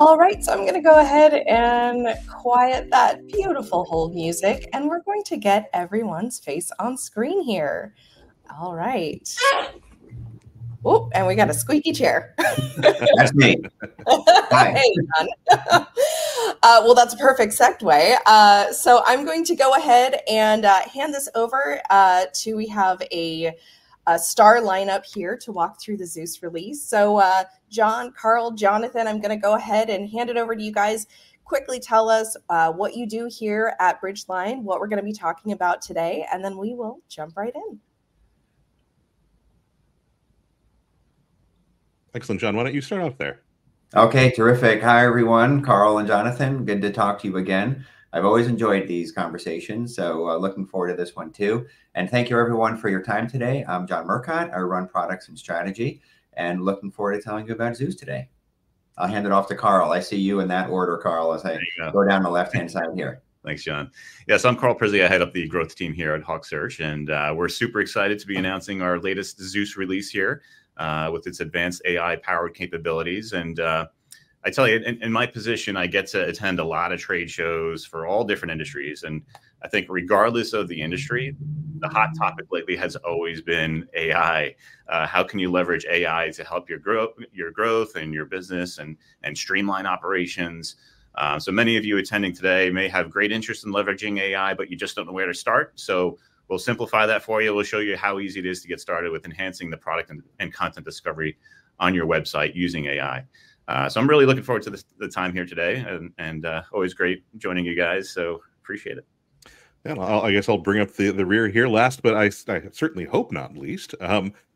All right, so I'm gonna go ahead and quiet that beautiful hold music, and we're going to get everyone's face on screen here. All right. Oop, and we got a squeaky chair. That's me. Hey, John. Well, that's a perfect segue. So I'm going to go ahead and hand this over. We have a star lineup here to walk through the Zeus release. So, John, Carl, Jonathan, I'm gonna go ahead and hand it over to you guys. Quickly tell us what you do here at Bridgeline, what we're gonna be talking about today, and then we will jump right in. Excellent. John, why don't you start off there? Okay, terrific. Hi, everyone, Carl and Jonathan, good to talk to you again. I've always enjoyed these conversations, so, looking forward to this one, too. Thank you everyone for your time today. I'm John Murcott. I run products and strategy, and looking forward to telling you about Zeus today. I'll hand it off to Carl. I see you in that order, Carl, as I- There you go.... go down the left-hand side here. Thanks, John. Yeah, so I'm Carl Prizzi. I head up the growth team here at HawkSearch, and we're super excited to be announcing our latest Zeus release here with its advanced AI-powered capabilities. And I tell you, in my position, I get to attend a lot of trade shows for all different industries, and I think regardless of the industry, the hot topic lately has always been AI. How can you leverage AI to help your growth and your business, and streamline operations? So many of you attending today may have great interest in leveraging AI, but you just don't know where to start, so we'll simplify that for you. We'll show you how easy it is to get started with enhancing the product and content discovery on your website using AI. So, I'm really looking forward to the time here today and always great joining you guys, so appreciate it. Yeah. I'll, I guess I'll bring up the rear here last, but I certainly hope not least.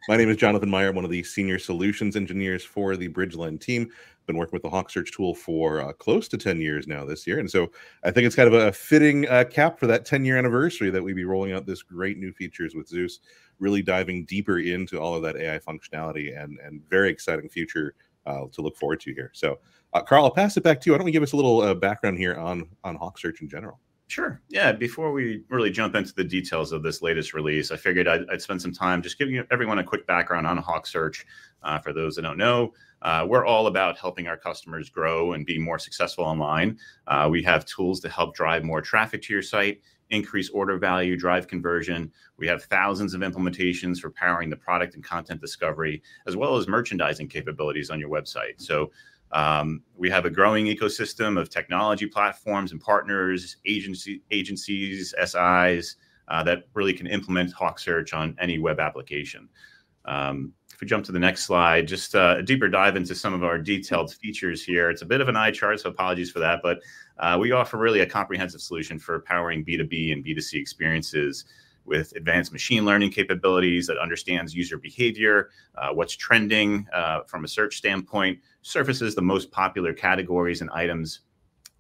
My name is Jonathan Meyer. I'm one of the senior solutions engineers for the Bridgeline team. Been working with the HawkSearch tool for close to 10 years now this year, and so I think it's kind of a fitting cap for that 10-year anniversary that we'd be rolling out this great new features with Zeus, really diving deeper into all of that AI functionality, and very exciting future to look forward to here. So, Carl, I'll pass it back to you. Why don't you give us a little background here on HawkSearch in general? Sure, yeah. Before we really jump into the details of this latest release, I figured I'd spend some time just giving everyone a quick background on HawkSearch. For those that don't know, we're all about helping our customers grow and be more successful online. We have tools to help dve more traffic to your site, increase order value, drive conversion. We have thousands of implementations for powering the product and content discovery, as well as merchandising capabilities on your website. So, we have a growing ecosystem of technology platforms and partners, agencies, SIs, that really can implement HawkSearch on any web application. If we jump to the next slide, just a deeper dive into some of our detailed features here. It's a bit of an eye chart, so apologies for that, but we offer really a comprehensive solution for powering B2B and B2C experiences with advanced machine learning capabilities that understands user behavior, what's trending from a search standpoint, surfaces the most popular categories and items,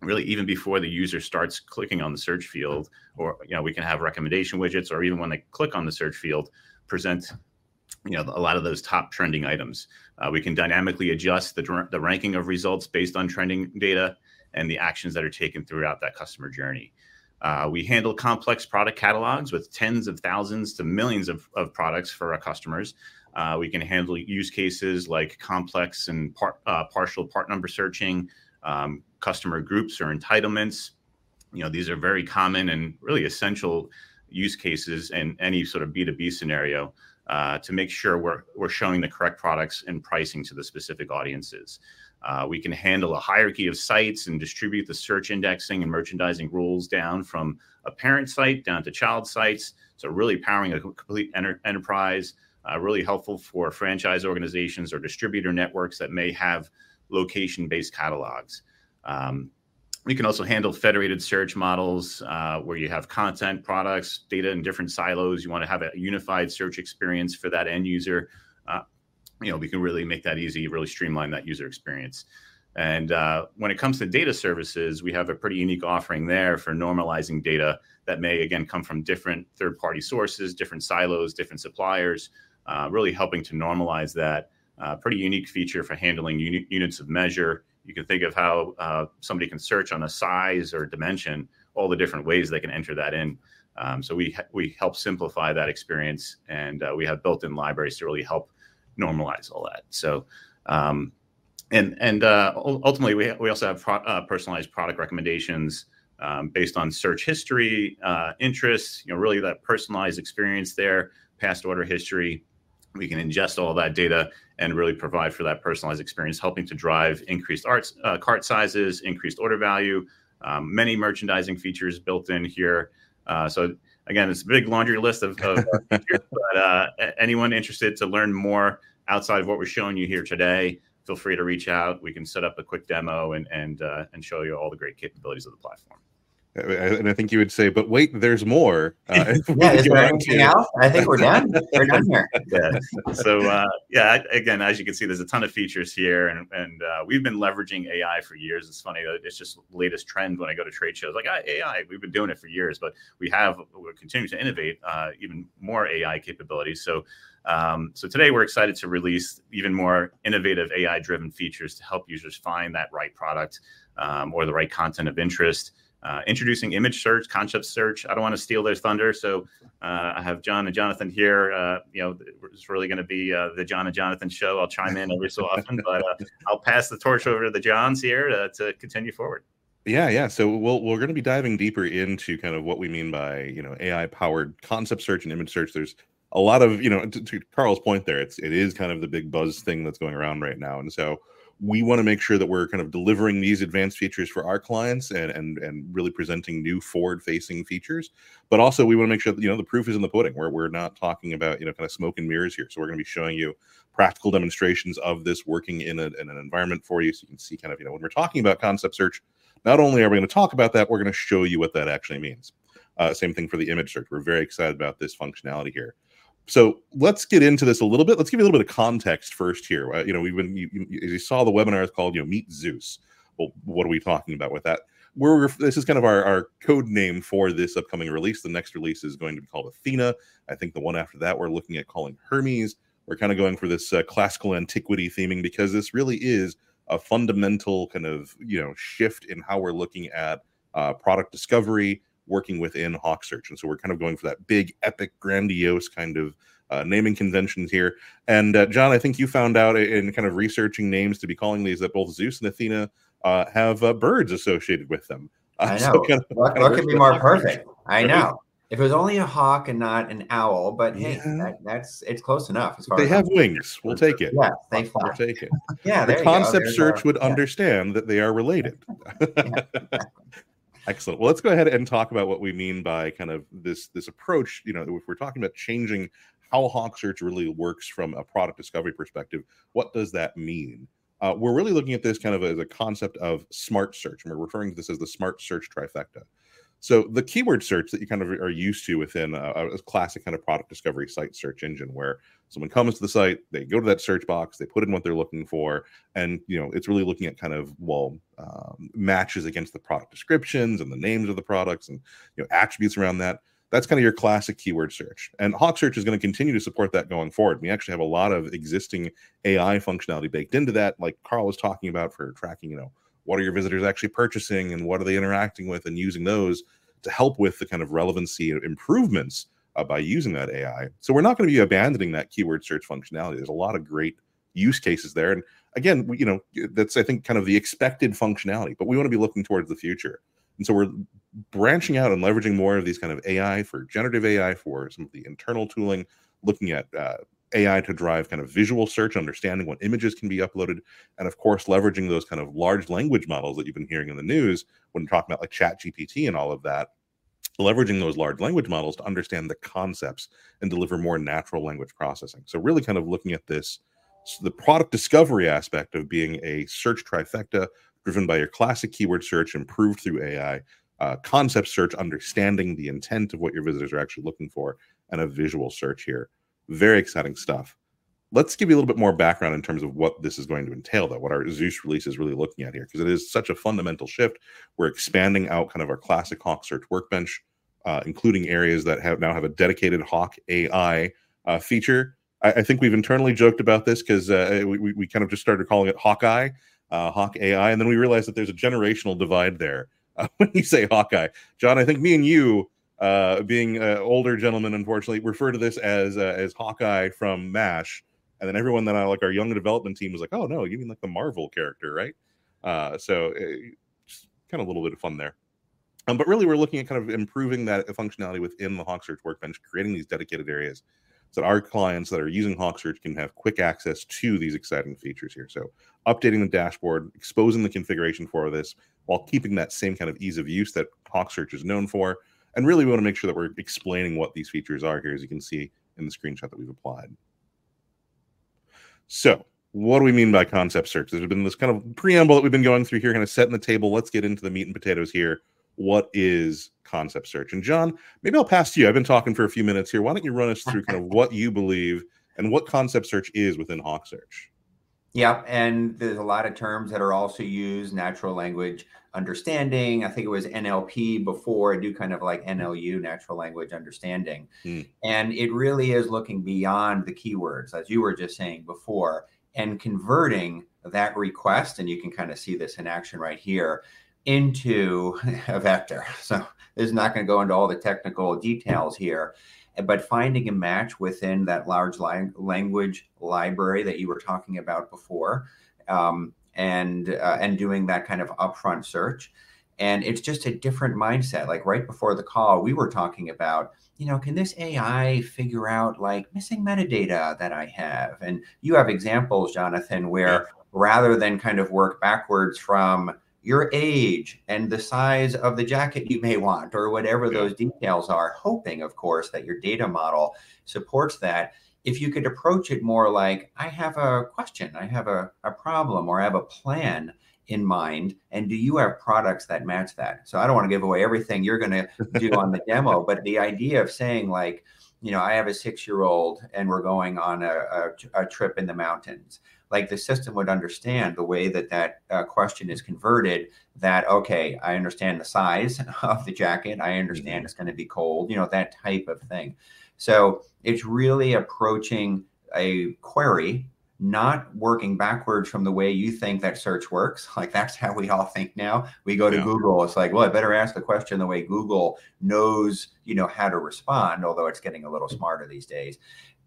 really even before the user starts clicking on the search field. Or, you know, we can have recommendation widgets, or even when they click on the search field, presents, you know, a lot of those top trending items. We can dynamically adjust the ranking of results based on trending data and the actions that are taken throughout that customer journey. We handle complex product catalogs with tens of thousands to millions of products for our customers. We can handle use cases like partial part number searching, customer groups or entitlements. You know, these are very common and really essential use cases in any sort of B2B scenario, to make sure we're showing the correct products and pricing to the specific audiences. We can handle a hierarchy of sites and distribute the search indexing and merchandising rules down from a parent site down to child sites, so really powering a complete enterprise. Really helpful for franchise organizations or distributor networks that may have location-based catalogs. We can also handle federated search models, where you have content, products, data in different silos. You want to have a unified search experience for that end user. You know, we can really make that easy, really streamline that user experience. When it comes to data services, we have a pretty unique offering there for normalizing data that may, again, come from different third-party sources, different silos, different suppliers, really helping to normalize that. Pretty unique feature for handling units of measure. You can think of how somebody can search on a size or dimension, all the different ways they can enter that in. So we help simplify that experience, and we have built-in libraries to really help normalize all that. Ultimately, we also have personalized product recommendations based on search history, interests, you know, really that personalized experience there, past order history. We can ingest all that data and really provide for that personalized experience, helping to drive increased AOVs, cart sizes, increased order value, many merchandising features built in here. So again, it's a big laundry list of features, but anyone interested to learn more outside of what we're showing you here today, feel free to reach out. We can set up a quick demo and show you all the great capabilities of the platform. I think you would say, "But wait, there's more. Yeah, is that it for me now? I think we're done. We're done here. Yeah. So, yeah, again, as you can see, there's a ton of features here, and, and, we've been leveraging AI for years. It's funny, it's just the latest trend when I go to trade shows. Like, "AI," we've been doing it for years, but we have... We're continuing to innovate, even more AI capabilities. So, so today we're excited to release even more innovative AI-driven features to help users find that right product or the right content of interest. Introducing Image Search, Concept Search. I don't want to steal their thunder, so, I have John and Jonathan here. You know, it's really gonna be the John and Jonathan show. I'll chime in every so often but, I'll pass the torch over to the Johns here to, to continue forward. Yeah, yeah. So we're, we're gonna be diving deeper into kind of what we mean by, you know, AI-powered Concept Search and Image Search. There's a lot of, you know, and to, to Carl's point there, it's- it is kind of the big buzz thing that's going around right now, and so we want to make sure that we're kind of delivering these advanced features for our clients and, and, and really presenting new forward-facing features. But also, we want to make sure that, you know, the proof is in the pudding. We're, we're not talking about, you know, kind of smoke and mirrors here. So we're gonna be showing you practical demonstrations of this working in a, in an environment for you, so you can see kind of... You know, when we're talking about Concept Search, not only are we gonna talk about that, we're gonna show you what that actually means. Same thing for the Image Search. We're very excited about this functionality here. So let's get into this a little bit. Let's give a little bit of context first here. You know, you saw the webinar. It's called, you know, Meet Zeus. Well, what are we talking about with that? This is kind of our code name for this upcoming release. The next release is going to be called Athena. I think the one after that, we're looking at calling Hermes. We're kind of going for this classical antiquity theming because this really is a fundamental kind of, you know, shift in how we're looking at product discovery working within HawkSearch. And so we're kind of going for that big, epic, grandiose kind of naming conventions here. And, John, I think you found out in kind of researching names to be calling these, that both Zeus and Athena have birds associated with them. I know. So What, what could be more perfect? Right. I know! If it was only a hawk and not an owl, but hey- Mm-hmm... that's, it's close enough, as far as- They have wings. We'll take it. Yeah, thankfully. We'll take it. Yeah, there you go. The Concept Search- There you go.... would understand that they are related. Yeah. Excellent. Well, let's go ahead and talk about what we mean by kind of this approach. You know, if we're talking about changing how HawkSearch really works from a product discovery perspective, what does that mean? We're really looking at this kind of as a concept of smart search, and we're referring to this as the smart search trifecta. The Keyword Search that you kind of are used to within a classic kind of product discovery site search engine, where someone comes to the site, they go to that search box, they put in what they're looking for. You know, it's really looking at kind of, well, matches against the product descriptions, and the names of the products, and, you know, attributes around that. That's kind of your classic Keyword Search, and HawkSearch is gonna continue to support that going forward. We actually have a lot of existing AI functionality baked into that, like Carl was talking about, for tracking, you know, what are your visitors actually purchasing, and what are they interacting with, and using those to help with the kind of relevancy improvements, by using that AI. So we're not gonna be abandoning that Keyword Search functionality. There's a lot of great use cases there. And again, you know, that's, I think, kind of the expected functionality, but we want to be looking towards the future. And so we're branching out and leveraging more of these kind of AI for generative AI, for some of the internal tooling. Looking at AI to drive kind of visual search, understanding what images can be uploaded, and of course, leveraging those kind of large language models that you've been hearing in the news, when talking about, like, ChatGPT and all of that. Leveraging those large language models to understand the concepts and deliver more natural language processing. So really kind of looking at this, the product discovery aspect of being a search trifecta driven by your classic Keyword Search, improved through AI, Concept Search, understanding the intent of what your visitors are actually looking for, and a visual search here. Very exciting stuff. Let's give you a little bit more background in terms of what this is going to entail, though, what our Zeus release is really looking at here, 'cause it is such a fundamental shift. We're expanding out kind of our classic HawkSearch Workbench, including areas that now have a dedicated Hawk AI feature. I think we've internally joked about this 'cause we kind of just started calling it Hawkeye, Hawk AI, and then we realized that there's a generational divide there when you say Hawkeye. John, I think me and you, being older gentlemen, unfortunately, refer to this as Hawkeye from M*A*S*H. And then everyone, like, our younger development team was like, "Oh, no, you mean, like, the Marvel character, right?" So, just kind of a little bit of fun there. But really, we're looking at kind of improving that functionality within the HawkSearch Workbench, creating these dedicated areas so that our clients that are using HawkSearch can have quick access to these exciting features here. So updating the dashboard, exposing the configuration for this, while keeping that same kind of ease of use that HawkSearch is known for, and really we want to make sure that we're explaining what these features are here, as you can see in the screenshot that we've applied. So what do we mean by Concept Search? There's been this kind of preamble that we've been going through here, kind of setting the table. Let's get into the meat and potatoes here. What is Concept Search? And John, maybe I'll pass to you. I've been talking for a few minutes here. Why don't you run us through... kind of what you believe and what Concept Search is within HawkSearch? Yeah, and there's a lot of terms that are also used, natural language understanding. I think it was NLP before, a new kind of like NLU, natural language understanding. Mm. And it really is looking beyond the keywords, as you were just saying before, and converting that request, and you can kind of see this in action right here, into a vector. So this is not gonna go into all the technical details here, but finding a match within that large language library that you were talking about before, and doing that kind of upfront search, and it's just a different mindset. Like, right before the call, we were talking about, you know, can this AI figure out, like, missing metadata that I have? And you have examples, Jonathan, where- Yeah... rather than kind of work backwards from your age and the size of the jacket you may want, or whatever- Yeah... those details are, hoping, of course, that your data model supports that. If you could approach it more like, "I have a question, I have a problem, or I have a plan in mind, and do you have products that match that?" So I don't want to give away everything you're gonna-... do on the demo, but the idea of saying, like, you know, "I have a six-year-old, and we're going on a trip in the mountains," like, the system would understand the way that that question is converted. That, okay, I understand the size of the jacket. I understand it's gonna be cold. You know, that type of thing. So it's really approaching a query, not working backwards from the way you think that search works. Like, that's how we all think now. Yeah. We go to Google, it's like, well, I better ask the question the way Google knows, you know, how to respond, although it's getting a little smarter these days.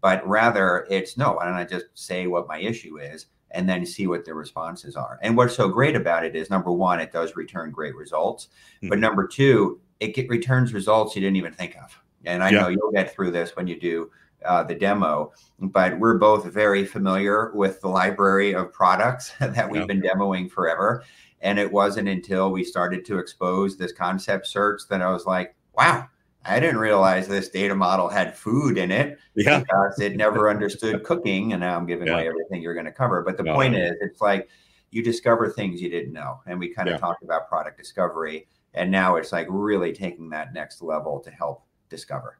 But rather it's, "No, why don't I just say what my issue is, and then see what the responses are?" And what's so great about it is, number one, it does return great results. Mm. But number two, it returns results you didn't even think of. Yeah. I know you'll get through this when you do the demo, but we're both very familiar with the library of products- Yeah... that we've been demoing forever, and it wasn't until we started to expose this Concept Search that I was like, "Wow!"... I didn't realize this data model had food in it. Yeah. Because it never understood cooking, and now I'm giving away- Yeah... everything you're gonna cover. No. But the point is, it's like you discover things you didn't know, and we kind of- Yeah... talked about product discovery, and now it's, like, really taking that next level to help discover.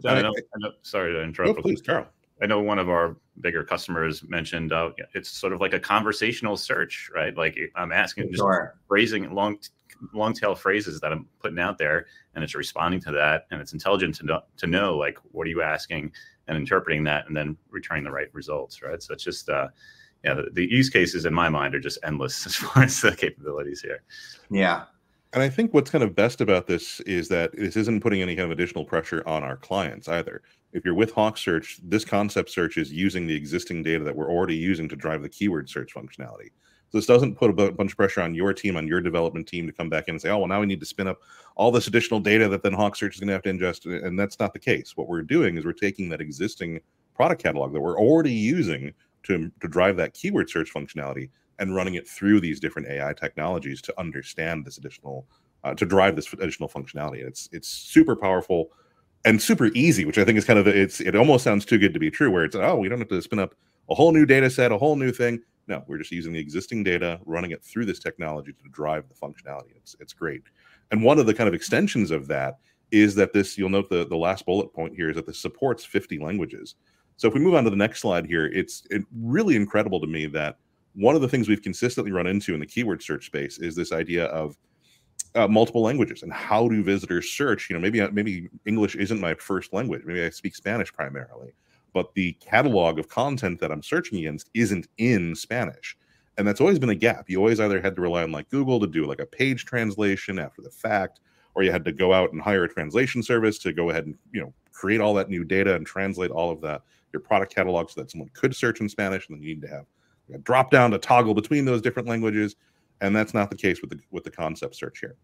Sorry to interrupt, but- No, please... Carl, I know one of our bigger customers mentioned, yeah, it's sort of like a conversational search, right? Like, I'm asking- Sure... just phrasing long-tail phrases that I'm putting out there, and it's responding to that, and it's intelligent to know, like, what are you asking, and interpreting that, and then returning the right results, right? So it's just, yeah, the use cases in my mind are just endless as far as the capabilities here. Yeah. I think what's kind of best about this is that this isn't putting any kind of additional pressure on our clients either. If you're with HawkSearch, this Concept Search is using the existing data that we're already using to drive the Keyword Search functionality. So this doesn't put a bunch of pressure on your team, on your development team, to come back in and say, "Oh, well, now we need to spin up all this additional data that then HawkSearch is gonna have to ingest," and that's not the case. What we're doing is we're taking that existing product catalog that we're already using to drive that Keyword Search functionality and running it through these different AI technologies to understand this additional to drive this additional functionality. It's super powerful and super easy, which I think is kind of it almost sounds too good to be true, where it's, oh, we don't have to spin up a whole new data set, a whole new thing. No, we're just using the existing data, running it through this technology to drive the functionality. It's great. And one of the kind of extensions of that is that this - you'll note the last bullet point here, is that this supports 50 languages. So if we move on to the next slide here, it's really incredible to me that one of the things we've consistently run into in the Keyword Search space is this idea of multiple languages and how do visitors search. You know, maybe, maybe English isn't my first language. Maybe I speak Spanish primarily, but the catalog of content that I'm searching against isn't in Spanish, and that's always been a gap. You always either had to rely on, like, Google to do, like, a page translation after the fact, or you had to go out and hire a translation service to go ahead and, you know, create all that new data and translate all of that, your product catalog, so that someone could search in Spanish. And then you need to have a dropdown to toggle between those different languages, and that's not the case with the Concept Search here.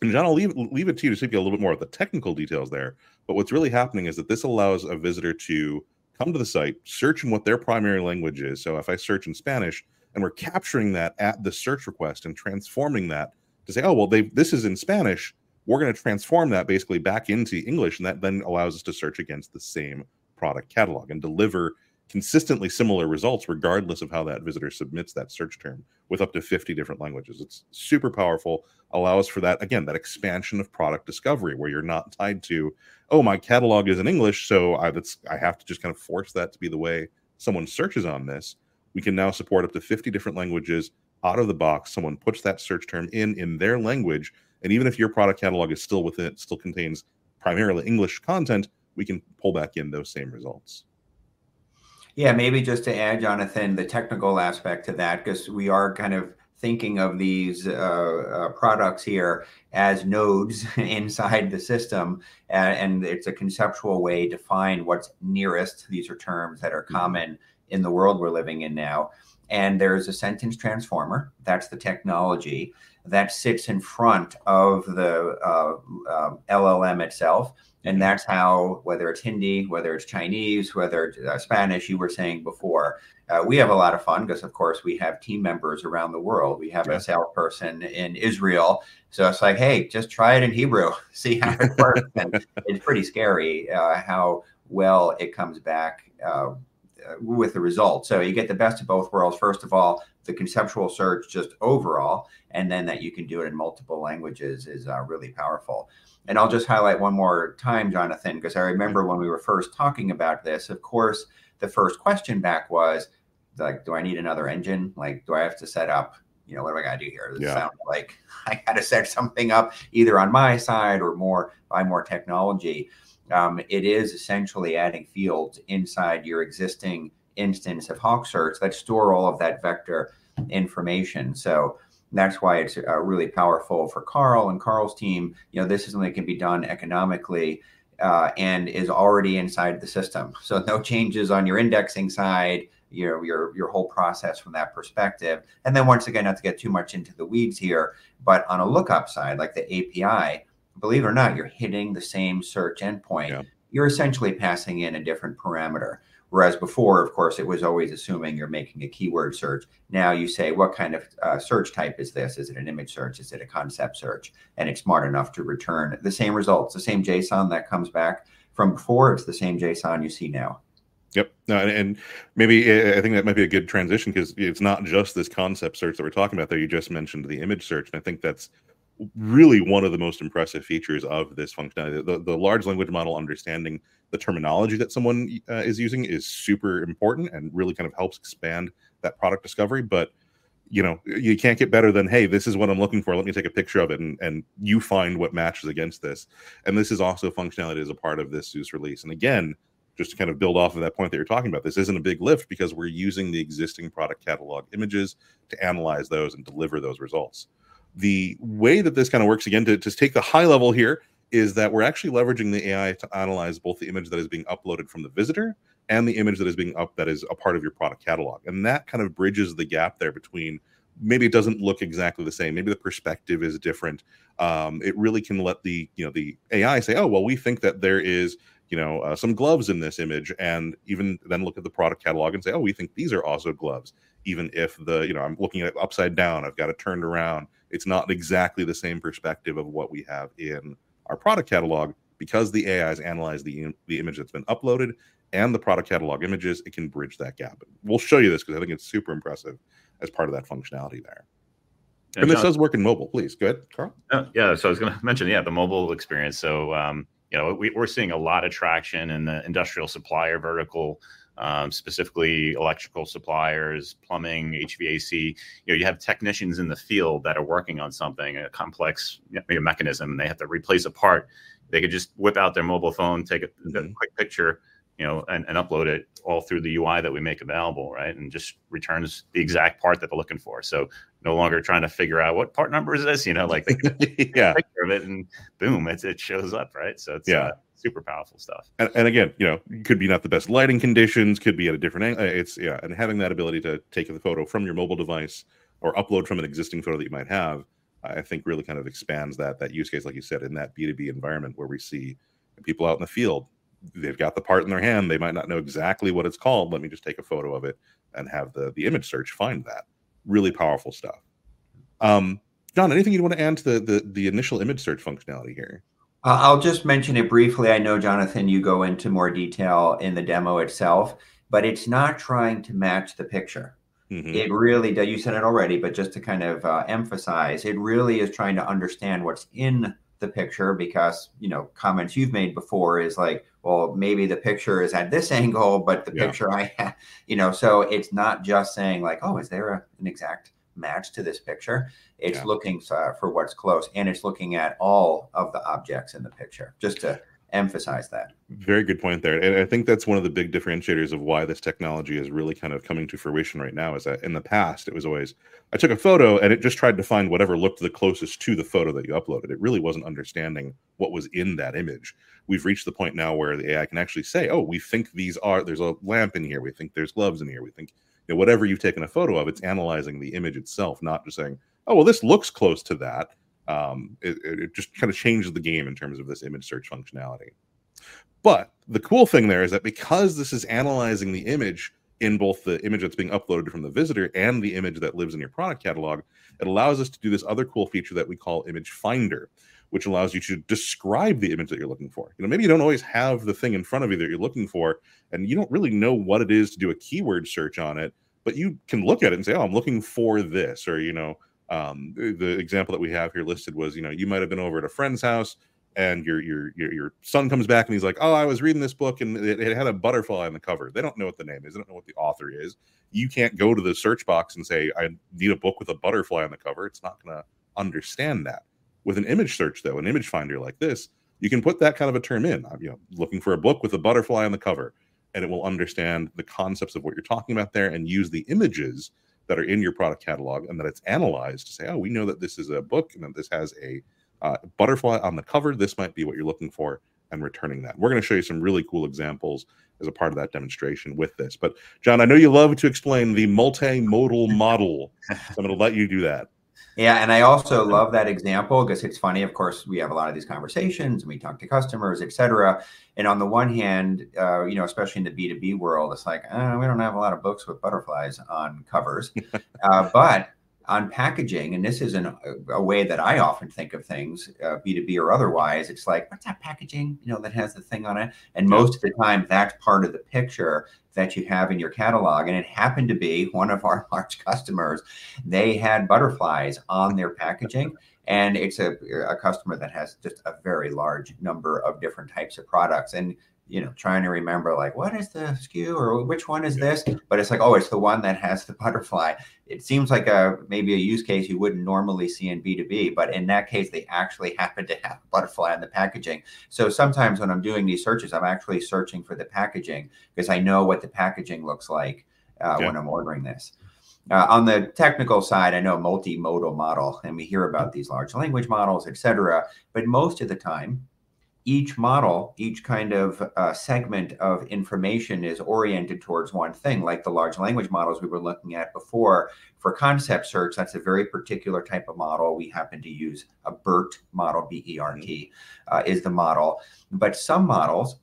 And, John, I'll leave it to you to speak a little bit more of the technical details there. But what's really happening is that this allows a visitor to come to the site, search in what their primary language is. So if I search in Spanish, and we're capturing that at the search request and transforming that to say, "Oh, well, they... This is in Spanish, we're gonna transform that basically back into English," and that then allows us to search against the same product catalog and deliver consistently similar results, regardless of how that visitor submits that search term, with up to 50 different languages. It's super powerful, allows for that, again, that expansion of product discovery, where you're not tied to, "Oh, my catalog is in English, so I have to just kind of force that to be the way someone searches on this." We can now support up to 50 different languages out of the box. Someone puts that search term in their language, and even if your product catalog is still within it, it still contains primarily English content, we can pull back in those same results. Yeah, maybe just to add, Jonathan, the technical aspect to that, 'cause we are kind of thinking of these products here as nodes inside the system, and it's a conceptual way to find what's nearest. These are terms that are common- Mm... in the world we're living in now. And there's a sentence transformer, that's the technology, that sits in front of the LLM itself. Yeah. That's how, whether it's Hindi, whether it's Chinese, whether it's Spanish, you were saying before. We have a lot of fun because, of course, we have team members around the world. Yeah. We have a salesperson in Israel, so it's like: "Hey, just try it in Hebrew, see how it works." It's pretty scary how well it comes back with the results. So you get the best of both worlds. First of all, the Concept Search just overall, and then that you can do it in multiple languages is really powerful. And I'll just highlight one more time, Jonathan, 'cause I remember- Yeah... when we were first talking about this, of course, the first question back was like: "Do I need another engine? Like, do I have to set up... You know, what do I gotta do here? Yeah. This sounds like I gotta set something up, either on my side or more, buy more technology. It is essentially adding fields inside your existing instance of HawkSearch that store all of that vector information. So that's why it's really powerful for Carl and Carl's team. You know, this is something that can be done economically, and is already inside the system. So no changes on your indexing side, your whole process from that perspective. And then once again, not to get too much into the weeds here, but on a lookup side, like the API, believe it or not, you're hitting the same search endpoint. Yeah. You're essentially passing in a different parameter. Whereas before, of course, it was always assuming you're making a Keyword Search. Now, you say: "What kind of search type is this? Is it an Image Search? Is it a Concept Search?" And it's smart enough to return the same results, the same JSON that comes back from before, it's the same JSON you see now. Yep. And maybe, I think that might be a good transition, 'cause it's not just this Concept Search that we're talking about there. You just mentioned the Image Search, and I think that's really one of the most impressive features of this functionality. The large language model understanding the terminology that someone is using is super important and really kind of helps expand that product discovery. But, you know, you can't get better than, "Hey, this is what I'm looking for. Let me take a picture of it, and you find what matches against this." And this is also functionality as a part of this Zeus release. And again, just to kind of build off of that point that you're talking about, this isn't a big lift because we're using the existing product catalog images to analyze those and deliver those results. The way that this kind of works, again, to just take the high level here, is that we're actually leveraging the AI to analyze both the image that is being uploaded from the visitor and the image that is a part of your product catalog. That kind of bridges the gap there between maybe it doesn't look exactly the same, maybe the perspective is different. It really can let the, you know, the AI say, "Oh, well, we think that there is, you know, some gloves in this image," and even then look at the product catalog and say, "Oh, we think these are also gloves," even if the... You know, I'm looking at it upside down, I've got it turned around. It's not exactly the same perspective of what we have in our product catalog. Because the AI's analyzed the image that's been uploaded and the product catalog images, it can bridge that gap. We'll show you this, 'cause I think it's super impressive, as part of that functionality there.... and this does work in mobile. Please, go ahead, Carl. Yeah, so I was gonna mention the mobile experience. So, you know, we're seeing a lot of traction in the industrial supplier vertical, specifically electrical suppliers, plumbing, HVAC. You know, you have technicians in the field that are working on something, a complex mechanism, and they have to replace a part. They could just whip out their mobile phone, take a- Mm-hmm... quick picture, you know, and upload it all through the UI that we make available, right? And just returns the exact part that they're looking for. So no longer trying to figure out, "What part number is this?" You know, like- Yeah... take a picture of it, and boom, it, it shows up, right? So it's- Yeah... super powerful stuff. Again, you know, could be not the best lighting conditions, could be at a different angle. Yeah, and having that ability to take the photo from your mobile device or upload from an existing photo that you might have, I think really kind of expands that use case, like you said, in that B2B environment where we see people out in the field. They've got the part in their hand. They might not know exactly what it's called. Let me just take a photo of it and have the Image Search find that. Really powerful stuff. John, anything you'd want to add to the initial Image Search functionality here? I'll just mention it briefly. I know, Jonathan, you go into more detail in the demo itself, but it's not trying to match the picture. Mm-hmm. It really—you said it already, but just to kind of emphasize, it really is trying to understand what's in the picture because, you know, comments you've made before is like, "Well, maybe the picture is at this angle, but the picture I... Yeah. You know, so it's not just saying, like, "Oh, is there a, an exact match to this picture? Yeah. It's looking for what's close, and it's looking at all of the objects in the picture, just to emphasize that. Very good point there, and I think that's one of the big differentiators of why this technology is really kind of coming to fruition right now, is that in the past, it was always, "I took a photo," and it just tried to find whatever looked the closest to the photo that you uploaded. It really wasn't understanding what was in that image. We've reached the point now where the AI can actually say, "Oh, we think these are... There's a lamp in here. We think there's gloves in here. We think..." You know, whatever you've taken a photo of, it's analyzing the image itself, not just saying, "Oh, well, this looks close to that." It just kind of changes the game in terms of this Image Search functionality. But the cool thing there is that because this is analyzing the image in both the image that's being uploaded from the visitor and the image that lives in your product catalog, it allows us to do this other cool feature that we call Image Finder, which allows you to describe the image that you're looking for. You know, maybe you don't always have the thing in front of you that you're looking for, and you don't really know what it is to do a Keyword Search on it, but you can look at it and say, "Oh, I'm looking for this," or, you know, the example that we have here listed was, you know, you might have been over at a friend's house, and your son comes back, and he's like, "Oh, I was reading this book, and it had a butterfly on the cover." They don't know what the name is. They don't know what the author is. You can't go to the search box and say, "I need a book with a butterfly on the cover." It's not gonna understand that. With an Image Search, though, an Image Finder like this, you can put that kind of a term in. You know, "Looking for a book with a butterfly on the cover," and it will understand the concepts of what you're talking about there and use the images that are in your product catalog and that it's analyzed to say, "Oh, we know that this is a book and that this has a butterfly on the cover. This might be what you're looking for," and returning that. We're gonna show you some really cool examples as a part of that demonstration with this. But, John, I know you love to explain the multimodal model. So I'm gonna let you do that. Yeah, and I also love that example 'cause it's funny. Of course, we have a lot of these conversations, and we talk to customers, et cetera. And on the one hand, you know, especially in the B2B world, it's like, "We don't have a lot of books with butterflies on covers." But on packaging, and this is a way that I often think of things, B2B or otherwise, it's like: What's that packaging, you know, that has the thing on it? Yeah. Most of the time, that's part of the picture that you have in your catalog, and it happened to be one of our large customers. They had butterflies on their packaging, and it's a customer that has just a very large number of different types of products and, you know, trying to remember, like, "What is the SKU, or which one is this?" But it's like, "Oh, it's the one that has the butterfly." It seems like a maybe a use case you wouldn't normally see in B2B, but in that case, they actually happened to have a butterfly on the packaging. So sometimes when I'm doing these searches, I'm actually searching for the packaging 'cause I know what the packaging looks like. Yeah... when I'm ordering this. On the technical side, I know multimodal model, and we hear about these large language models, et cetera, but most of the time, each model, each kind of, segment of information is oriented towards one thing, like the large language models we were looking at before. For Concept Search, that's a very particular type of model. We happen to use a BERT model. B-E-R-T is the model. But some models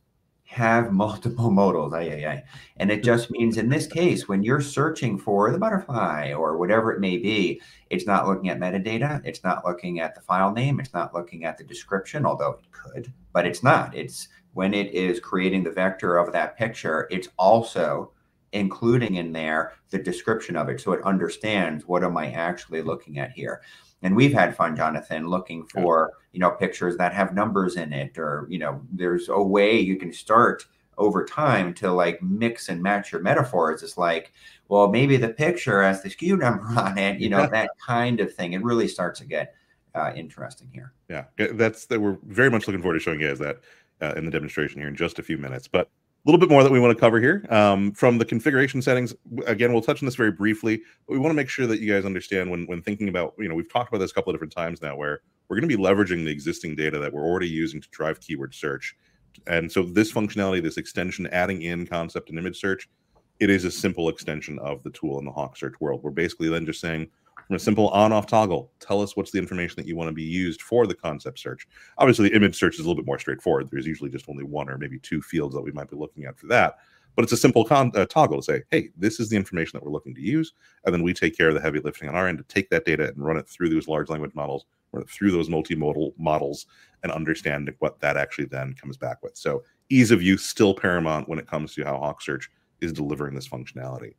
have multiple modals. Yeah. It just means, in this case, when you're searching for the butterfly or whatever it may be, it's not looking at metadata. It's not looking at the file name. It's not looking at the description, although it could, but it's not. It's... When it is creating the vector of that picture, it's also including in there the description of it, so it understands, what am I actually looking at here? And we've had fun, Jonathan, looking for- Right... you know, pictures that have numbers in it, or, you know, there's a way you can start over time to, like, mix and match your metaphors. It's like, well, maybe the picture has the SKU number on it. Yeah. You know, that kind of thing. It really starts to get interesting here. Yeah. That's... We're very much looking forward to showing you guys that, in the demonstration here in just a few minutes. But little bit more that we want to cover here. From the configuration settings, again, we'll touch on this very briefly, but we wanna make sure that you guys understand when thinking about... You know, we've talked about this a couple of different times now, where we're gonna be leveraging the existing data that we're already using to drive Keyword Search. And so this functionality, this extension, adding in concept and Image Search, it is a simple extension of the tool in the HawkSearch world. We're basically then just saying, from a simple on/off toggle, "Tell us what's the information that you want to be used for the Concept Search." Obviously, the Image Search is a little bit more straightforward. There's usually just only one or maybe two fields that we might be looking at for that, but it's a simple config toggle to say, "Hey, this is the information that we're looking to use," and then we take care of the heavy lifting on our end to take that data and run it through those large language models or through those multimodal models and understanding what that actually then comes back with. So ease of use, still paramount when it comes to how HawkSearch is delivering this functionality. ...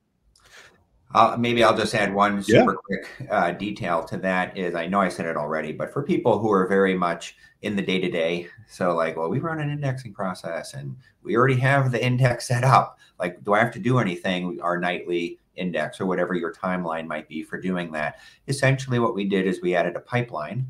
maybe I'll just add one- Yeah... super quick, detail to that, is I know I said it already, but for people who are very much in the day-to-day, so like, "Well, we run an indexing process, and we already have the index set up," like, "Do I have to do anything, our nightly index?" or whatever your timeline might be for doing that. Essentially, what we did is we added a pipeline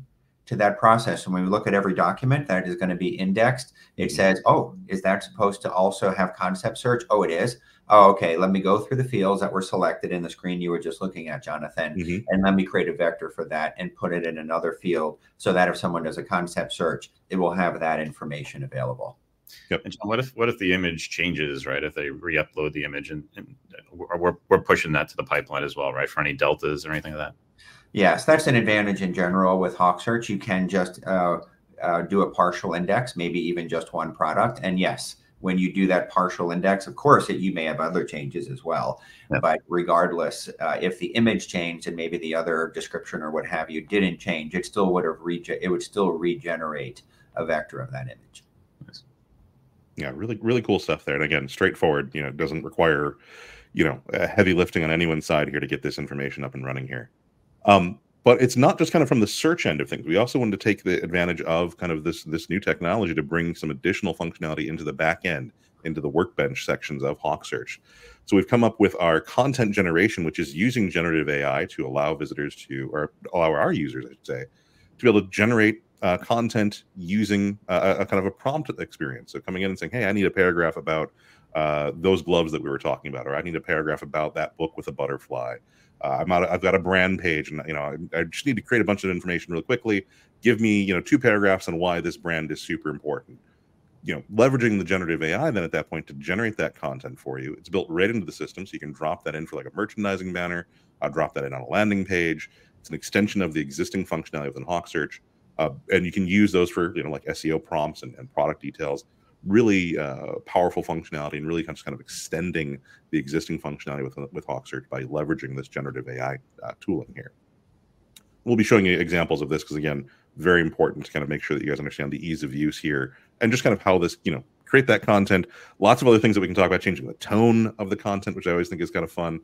to that process, and when we look at every document that is gonna be indexed, it says, "Oh, is that supposed to also have Concept Search? Oh, it is. Oh, okay, let me go through the fields that were selected in the screen you were just looking at, Jonathan- Mm-hmm... and let me create a vector for that and put it in another field, so that if someone does a Concept Search, it will have that information available. Yep, and what if, what if the image changes, right? If they re-upload the image and, and we're, we're pushing that to the pipeline as well, right? For any deltas or anything like that. Yes. That's an advantage in general with HawkSearch. You can just do a partial index, maybe even just one product, and yes, when you do that partial index, of course, you may have other changes as well. Yeah. But regardless, if the image changed and maybe the other description or what have you didn't change, it would still regenerate a vector of that image. Nice. Yeah, really, really cool stuff there, and again, straightforward. You know, it doesn't require, you know, heavy lifting on anyone's side here to get this information up and running here. But it's not just kind of from the search end of things. We also wanted to take the advantage of kind of this new technology to bring some additional functionality into the back end, into the workbench sections of HawkSearch. So we've come up with our content generation, which is using generative AI to allow visitors to, or allow our users, I should say, to be able to generate content using a kind of a prompt experience. So coming in and saying, "Hey, I need a paragraph about those gloves that we were talking about," or, "I need a paragraph about that book with the butterfly. I'm out... I've got a brand page and, you know, I just need to create a bunch of information really quickly. Give me, you know, two paragraphs on why this brand is super important. You know, leveraging the generative AI then at that point to generate that content for you. It's built right into the system, so you can drop that in for, like, a merchandising banner, drop that in on a landing page. It's an extension of the existing functionality within HawkSearch, and you can use those for, you know, like SEO prompts and product details. Really powerful functionality and really kind of just kind of extending the existing functionality with HawkSearch by leveraging this generative AI tool in here. We'll be showing you examples of this, 'cause again, very important to kind of make sure that you guys understand the ease of use here, and just kind of how this, you know, create that content. Lots of other things that we can talk about. Changing the tone of the content, which I always think is kind of fun.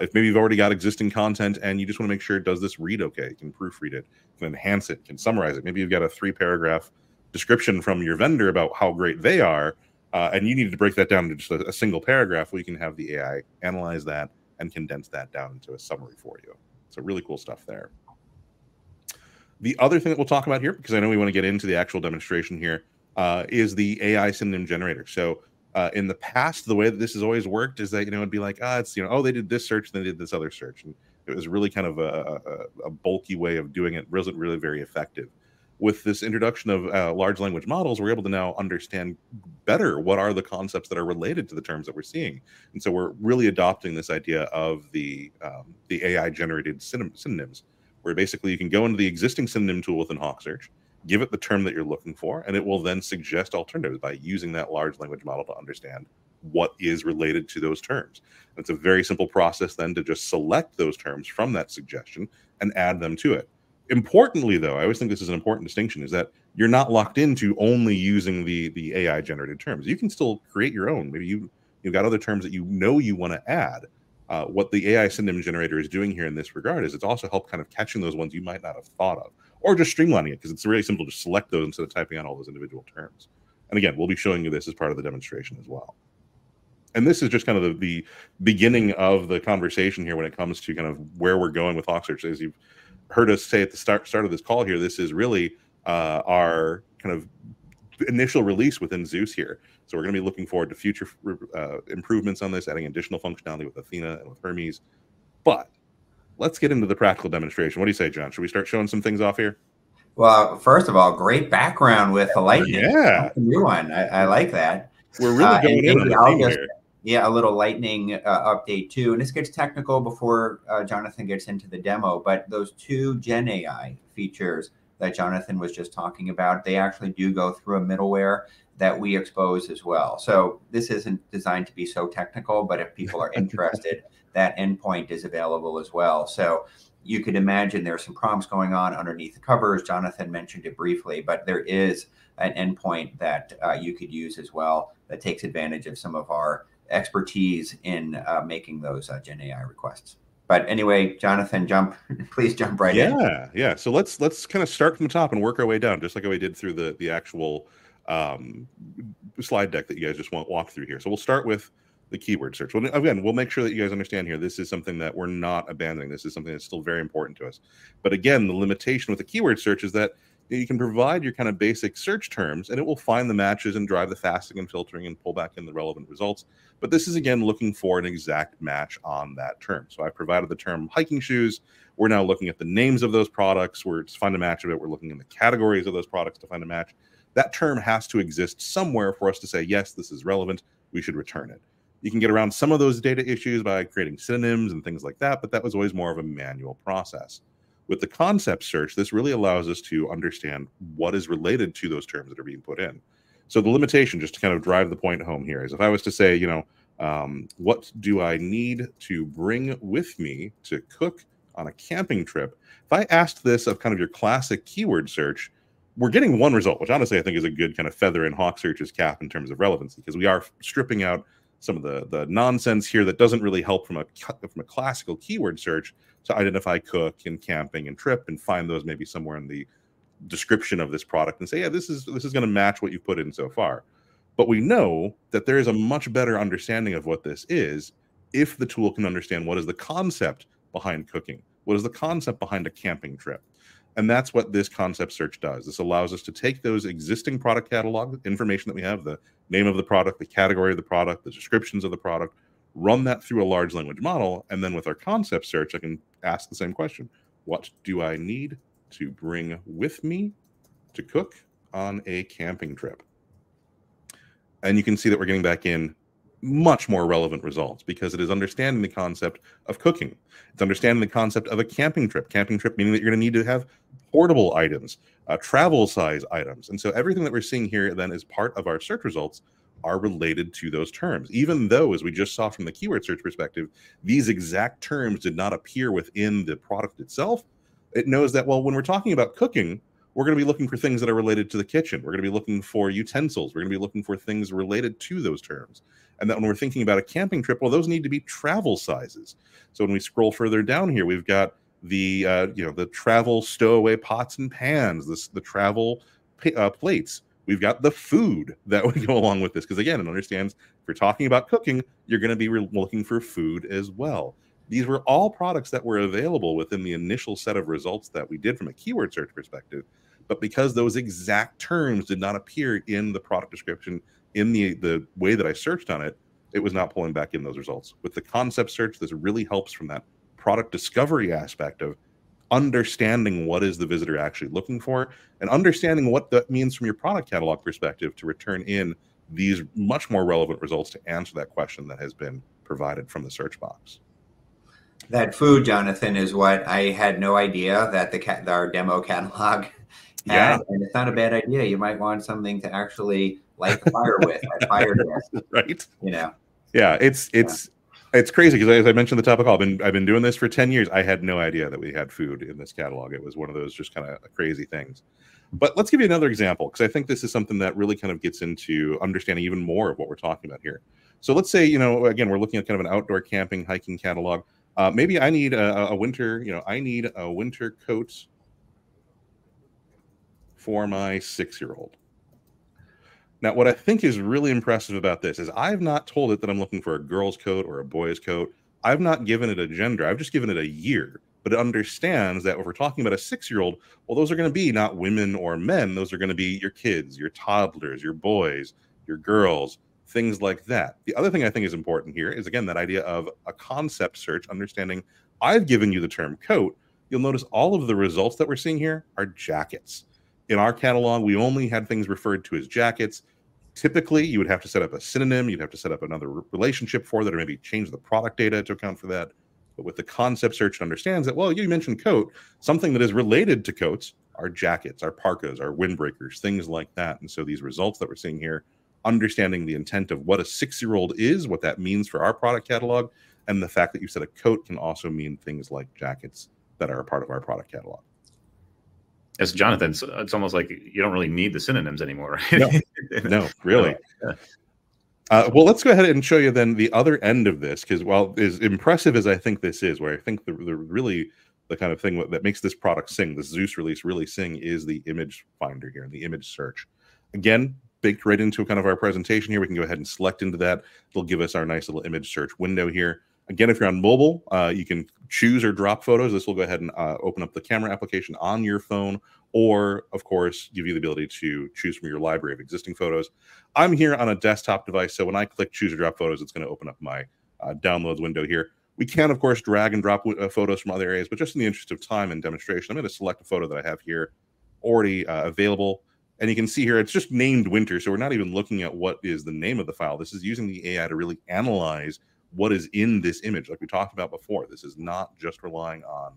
If maybe you've already got existing content, and you just want to make sure, does this read okay? You can proofread it, you can enhance it, you can summarize it. Maybe you've got a three-paragraph description from your vendor about how great they are, and you need to break that down into just a single paragraph. We can have the AI analyze that and condense that down into a summary for you. So really cool stuff there. The other thing that we'll talk about here, because I know we want to get into the actual demonstration here, is the AI synonym generator. So, in the past, the way that this has always worked is that, you know, it'd be like, it's, you know, "Oh, they did this search, and then they did this other search," and it was really kind of a bulky way of doing it. It wasn't really very effective. With this introduction of large language models, we're able to now understand better what are the concepts that are related to the terms that we're seeing, and so we're really adopting this idea of the AI-generated synonyms, where basically you can go into the existing synonym tool within HawkSearch, give it the term that you're looking for, and it will then suggest alternatives by using that large language model to understand what is related to those terms. It's a very simple process then to just select those terms from that suggestion and add them to it. Importantly, though, I always think this is an important distinction, is that you're not locked into only using the AI-generated terms. You can still create your own. Maybe you've got other terms that you know you want to add. What the AI synonym generator is doing here in this regard is it's also help kind of catching those ones you might not have thought of or just streamlining it, 'cause it's really simple to select those instead of typing out all those individual terms. And again, we'll be showing you this as part of the demonstration as well. And this is just kind of the beginning of the conversation here when it comes to kind of where we're going with HawkSearch. As you've heard us say at the start of this call here, this is really our kind of initial release within Zeus here. So we're gonna be looking forward to future improvements on this, adding additional functionality with Athena and with Hermes. But let's get into the practical demonstration. What do you say, John? Should we start showing some things off here? Well, first of all, great background with the lightning. Yeah! That's a new one. I, I like that. We're really getting into it here. Maybe I'll just... Yeah, a little lightning update too, and this gets technical before Jonathan gets into the demo, but those two GenAI features that Jonathan was just talking about, they actually do go through a middleware that we expose as well. So this isn't designed to be so technical-... but if people are interested, that endpoint is available as well. So you could imagine there are some prompts going on underneath the covers. Jonathan mentioned it briefly, but there is an endpoint that you could use as well that takes advantage of some of our expertise in making those GenAI requests. But anyway, Jonathan, jump. Please jump right in. Yeah, yeah. So let's, let's kind of start from the top and work our way down, just like how we did through the, the actual, slide deck that you guys just walked through here. So we'll start with the Keyword Search. Well, again, we'll make sure that you guys understand here, this is something that we're not abandoning. This is something that's still very important to us. But again, the limitation with the Keyword Search is that, you can provide your kind of basic search terms, and it will find the matches and drive the faceting and filtering and pull back in the relevant results, but this is again looking for an exact match on that term. So I provided the term hiking shoes. We're now looking at the names of those products, where to find a match of it. We're looking in the categories of those products to find a match. That term has to exist somewhere for us to say, "Yes, this is relevant. We should return it." You can get around some of those data issues by creating synonyms and things like that, but that was always more of a manual process. With the Concept Search, this really allows us to understand what is related to those terms that are being put in. So the limitation, just to kind of drive the point home here is, if I was to say, you know, "What do I need to bring with me to cook on a camping trip?" If I asked this of kind of your classic Keyword Search-... We're getting one result, which honestly I think is a good kind of feather in HawkSearch's cap in terms of relevancy, 'cause we are stripping out some of the nonsense here that doesn't really help from a classical Keyword Search to identify cooking, camping, and trip, and find those maybe somewhere in the description of this product, and say, "Yeah, this is, this is gonna match what you've put in so far." But we know that there is a much better understanding of what this is if the tool can understand what is the concept behind cooking, what is the concept behind a camping trip, and that's what this Concept Search does. This allows us to take those existing product catalog information that we have, the name of the product, the category of the product, the descriptions of the product, run that through a large language model, and then with our Concept Search, I can ask the same question: What do I need to bring with me to cook on a camping trip? And you can see that we're getting back in much more relevant results, because it is understanding the concept of cooking. It's understanding the concept of a camping trip. Camping trip meaning that you're gonna need to have portable items, travel-size items, and so everything that we're seeing here then as part of our search results are related to those terms. Even though, as we just saw from the Keyword Search perspective, these exact terms did not appear within the product itself, it knows that, well, when we're talking about cooking, we're gonna be looking for things that are related to the kitchen. We're gonna be looking for utensils. We're gonna be looking for things related to those terms, and that when we're thinking about a camping trip, well, those need to be travel sizes. So when we scroll further down here, we've got the, you know, the travel stowaway pots and pans, the travel plates. We've got the food that would go along with this, 'cause again, it understands if you're talking about cooking, you're gonna be looking for food as well. These were all products that were available within the initial set of results that we did from a Keyword Search perspective, but because those exact terms did not appear in the product description in the way that I searched on it, it was not pulling back in those results. With the Concept Search, this really helps from that product discovery aspect of understanding what is the visitor actually looking for and understanding what that means from your product catalog perspective to return in these much more relevant results to answer that question that has been provided from the search box. That food, Jonathan, is what I had no idea that our demo catalog- Yeah. It's not a bad idea. You might want something to actually light a fire with or a fire with. Right? You know. Yeah, it's- Yeah... it's crazy, 'cause as I mentioned at the top, I've been, I've been doing this for 10 years. I had no idea that we had food in this catalog. It was one of those just kind of crazy things. But let's give you another example, 'cause I think this is something that really kind of gets into understanding even more of what we're talking about here. So let's say, you know, again, we're looking at kind of an outdoor camping, hiking catalog. Maybe I need a winter, you know... I need a winter coat for my six-year-old. Now, what I think is really impressive about this is I've not told it that I'm looking for a girl's coat or a boy's coat. I've not given it a gender. I've just given it a year, but it understands that if we're talking about a six-year-old, well, those are gonna be not women or men. Those are gonna be your kids, your toddlers, your boys, your girls, things like that. The other thing I think is important here is, again, that idea of a Concept Search, understanding I've given you the term coat. You'll notice all of the results that we're seeing here are jackets. In our catalog, we only had things referred to as jackets. Typically, you would have to set up a synonym. You'd have to set up another relationship for that or maybe change the product data to account for that. But with the Concept Search, it understands that, well, you mentioned coat. Something that is related to coats are jackets, are parkas, are windbreakers, things like that, and so these results that we're seeing here, understanding the intent of what a six-year-old is, what that means for our product catalog, and the fact that you said a coat can also mean things like jackets that are a part of our product catalog. Yes, Jonathan, it's almost like you don't really need the synonyms anymore, right? No. No, really. Yeah. Well, let's go ahead and show you then the other end of this, 'cause while as impressive as I think this is, where I think the really... the kind of thing that makes this product sing, the Zeus release really sing, is the Image Finder here and the Image Search. Again, baked right into kind of our presentation here. We can go ahead and select into that. It'll give us our nice little Image Search window here. Again, if you're on mobile, you can choose or drop photos. This will go ahead and open up the camera application on your phone or, of course, give you the ability to choose from your library of existing photos. I'm here on a desktop device, so when I click Choose or Drop Photos, it's gonna open up my downloads window here. We can, of course, drag and drop photos from other areas, but just in the interest of time and demonstration, I'm gonna select a photo that I have here already, available. And you can see here, it's just named Winter, so we're not even looking at what is the name of the file. This is using the AI to really analyze what is in this image, like we talked about before. This is not just relying on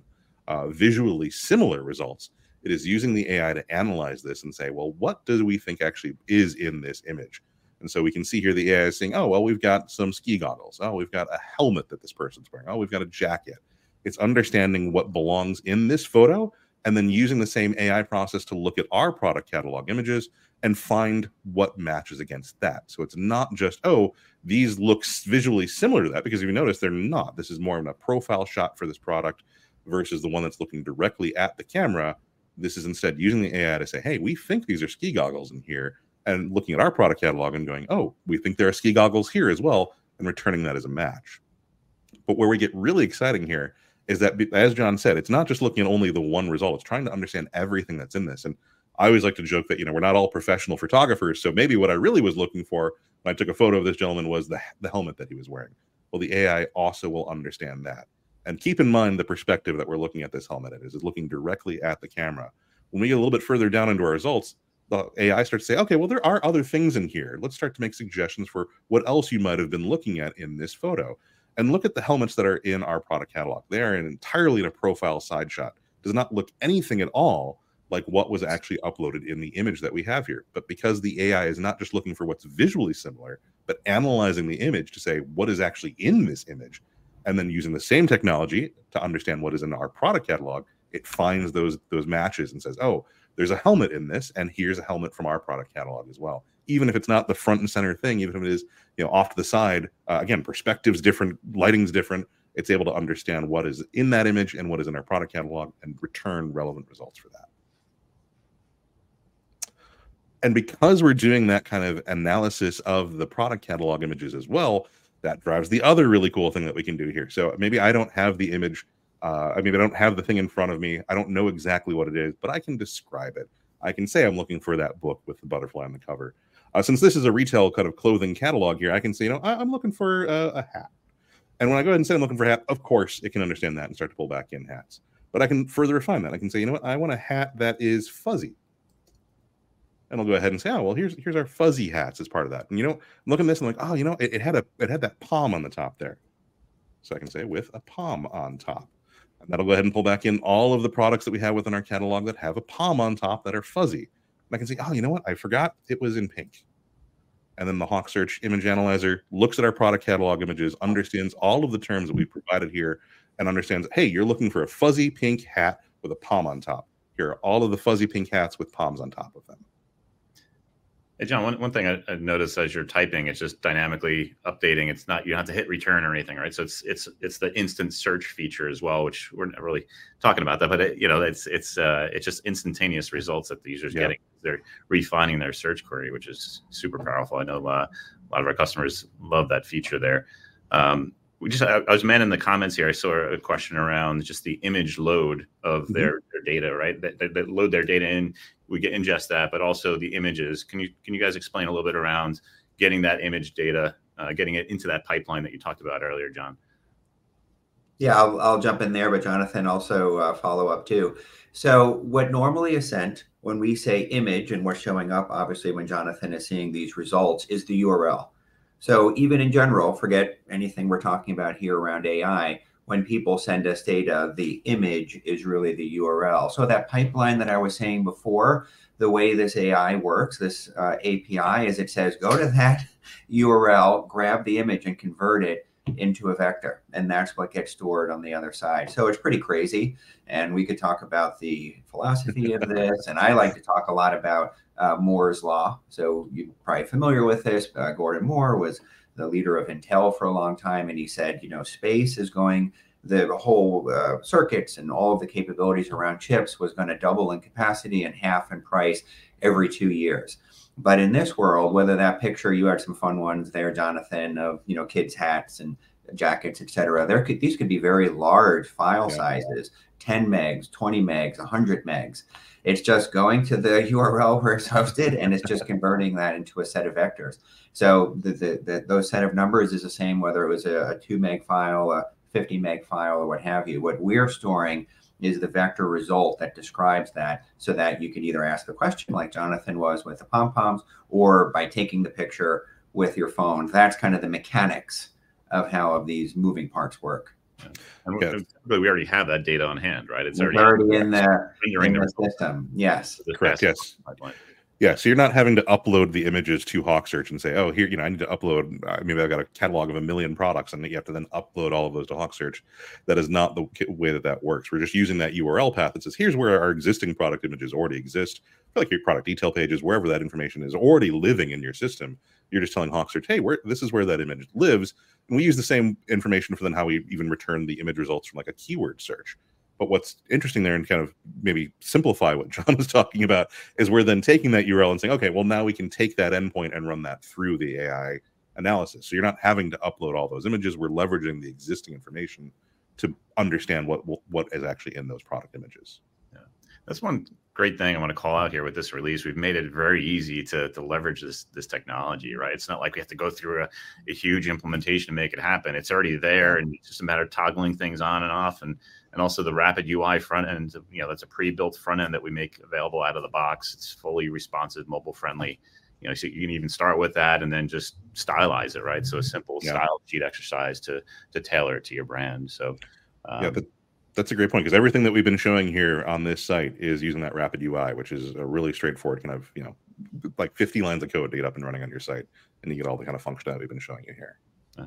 visually similar results. It is using the AI to analyze this and say, "Well, what do we think actually is in this image?" And so we can see here the AI is saying, "Oh, well, we've got some ski goggles. Oh, we've got a helmet that this person's wearing. Oh, we've got a jacket." It's understanding what belongs in this photo and then using the same AI process to look at our product catalog images and find what matches against that. So it's not just, "Oh, these look visually similar to that," because if you notice, they're not. This is more of a profile shot for this product versus the one that's looking directly at the camera. This is instead using the AI to say, "Hey, we think these are ski goggles in here," and looking at our product catalog and going, "Oh, we think there are ski goggles here as well," and returning that as a match. But where we get really exciting here is that as John said, it's not just looking at only the one result. It's trying to understand everything that's in this, and I always like to joke that, you know, we're not all professional photographers, so maybe what I really was looking for when I took a photo of this gentleman was the helmet that he was wearing. Well, the AI also will understand that. Keep in mind the perspective that we're looking at this helmet in, it's looking directly at the camera. When we get a little bit further down into our results, the AI starts to say, "Okay, well, there are other things in here. Let's start to make suggestions for what else you might have been looking at in this photo." And look at the helmets that are in our product catalog. They're entirely in a profile side shot. Does not look anything at all like what was actually uploaded in the image that we have here, but because the AI is not just looking for what's visually similar but analyzing the image to say, "What is actually in this image?" and then using the same technology to understand what is in our product catalog, it finds those, those matches and says: "Oh, there's a helmet in this, and here's a helmet from our product catalog as well." Even if it's not the front and center thing, even if it is, you know, off to the side, again, perspective's different, lighting's different, it's able to understand what is in that image and what is in our product catalog and return relevant results for that. Because we're doing that kind of analysis of the product catalog images as well, that drives the other really cool thing that we can do here. So maybe I don't have the image, I mean, I don't have the thing in front of me, I don't know exactly what it is, but I can describe it. I can say I'm looking for that book with the butterfly on the cover. Since this is a retail kind of clothing catalog here, I can say, "You know, I'm looking for a hat." And when I go ahead and say I'm looking for a hat, of course, it can understand that and start to pull back in hats. But I can further refine that. I can say, "You know what? I want a hat that is fuzzy." And I'll go ahead and say, "Well, here's our fuzzy hats as part of that." And, you know, I'm looking at this and I'm like: "Oh, you know, it had a... it had that pom on the top there." So I can say, "With a pom on top," and that'll go ahead and pull back in all of the products that we have within our catalog that have a pom on top that are fuzzy. And I can say, "Oh, you know what? I forgot it was in pink." And then the HawkSearch image analyzer looks at our product catalog images, understands all of the terms that we've provided here, and understands that, hey, you're looking for a fuzzy pink hat with a pom on top. Here are all of the fuzzy pink hats with poms on top of them. Hey, John, one thing I've noticed as you're typing, it's just dynamically updating. It's not you have to hit return or anything, right? So it's the instant search feature as well, which we're not really talking about that, but it, you know, it's just instantaneous results that the user's- Yeah... getting as they're refining their search query, which is super powerful. I know a lot, a lot of our customers love that feature there. We just... as a matter in the comments here, I saw a question around just the image load of their- Mm-hmm... their data, right? They load their data in. We can ingest that, but also the images. Can you guys explain a little bit around getting that image data, getting it into that pipeline that you talked about earlier, John? Yeah, I'll, I'll jump in there, but Jonathan also, follow up too. So what normally is sent when we say image, and we're showing up, obviously, when Jonathan is seeing these results, is the URL. So even in general, forget anything we're talking about here around AI, when people send us data, the image is really the URL. So that pipeline that I was saying before, the way this AI works, this, API, is it says: "Go to that URL, grab the image, and convert it into a vector," and that's what gets stored on the other side. So it's pretty crazy, and we could talk about the philosophy of this. And I like to talk a lot about, Moore's Law. So you're probably familiar with this. Gordon Moore was the leader of Intel for a long time, and he said, "You know, space is going... The whole, circuits and all of the capabilities around chips was gonna double in capacity and half in price every two years." But in this world, whether that picture, you had some fun ones there, Jonathan, of, you know, kids' hats and jackets, et cetera, these could be very large file sizes- Yeah... 10 MB, 20 MB, 100 MB. It's just going to the URL where it's hosted, and it's just converting that into a set of vectors. So those set of numbers is the same, whether it was a 2 MB file, a 50 MB file, or what have you. What we're storing is the vector result that describes that, so that you can either ask the question, like Jonathan was with the pompoms, or by taking the picture with your phone. That's kind of the mechanics of how all these moving parts work. Okay. We already have that data on hand, right? It's already- It's already in the- In your system.... in the system. Yes. Correct. Yes. Good point. Yeah, so you're not having to upload the images to HawkSearch and say: "Oh, here, you know, I need to upload... maybe I've got a catalog of 1 million products," and then you have to then upload all of those to HawkSearch. That is not the way that that works. We're just using that URL path that says, here's where our existing product images already exist. Feel like your product detail pages, wherever that information is already living in your system, you're just telling HawkSearch: "Hey, this is where that image lives." And we use the same information for then how we even return the image results from, like, a Keyword Search. But what's interesting there, and kind of maybe simplify what John was talking about, is we're then taking that URL and saying, "Okay, well, now we can take that endpoint and run that through the AI analysis." So you're not having to upload all those images. We're leveraging the existing information to understand what what is actually in those product images. Yeah. That's one great thing I wanna call out here with this release. We've made it very easy to leverage this technology, right? It's not like we have to go through a huge implementation to make it happen. It's already there, and it's just a matter of toggling things on and off. And also the Rapid UI front end, you know, that's a pre-built front end that we make available out of the box. It's fully responsive, mobile-friendly. You know, so you can even start with that and then just stylize it, right? Yeah. A simple style sheet exercise to tailor it to your brand, so, Yeah, but that's a great point, 'cause everything that we've been showing here on this site is using that Rapid UI, which is a really straightforward, kind of, you know, like 50 lines of code to get up and running on your site, and you get all the kind of functionality we've been showing you here. Yeah,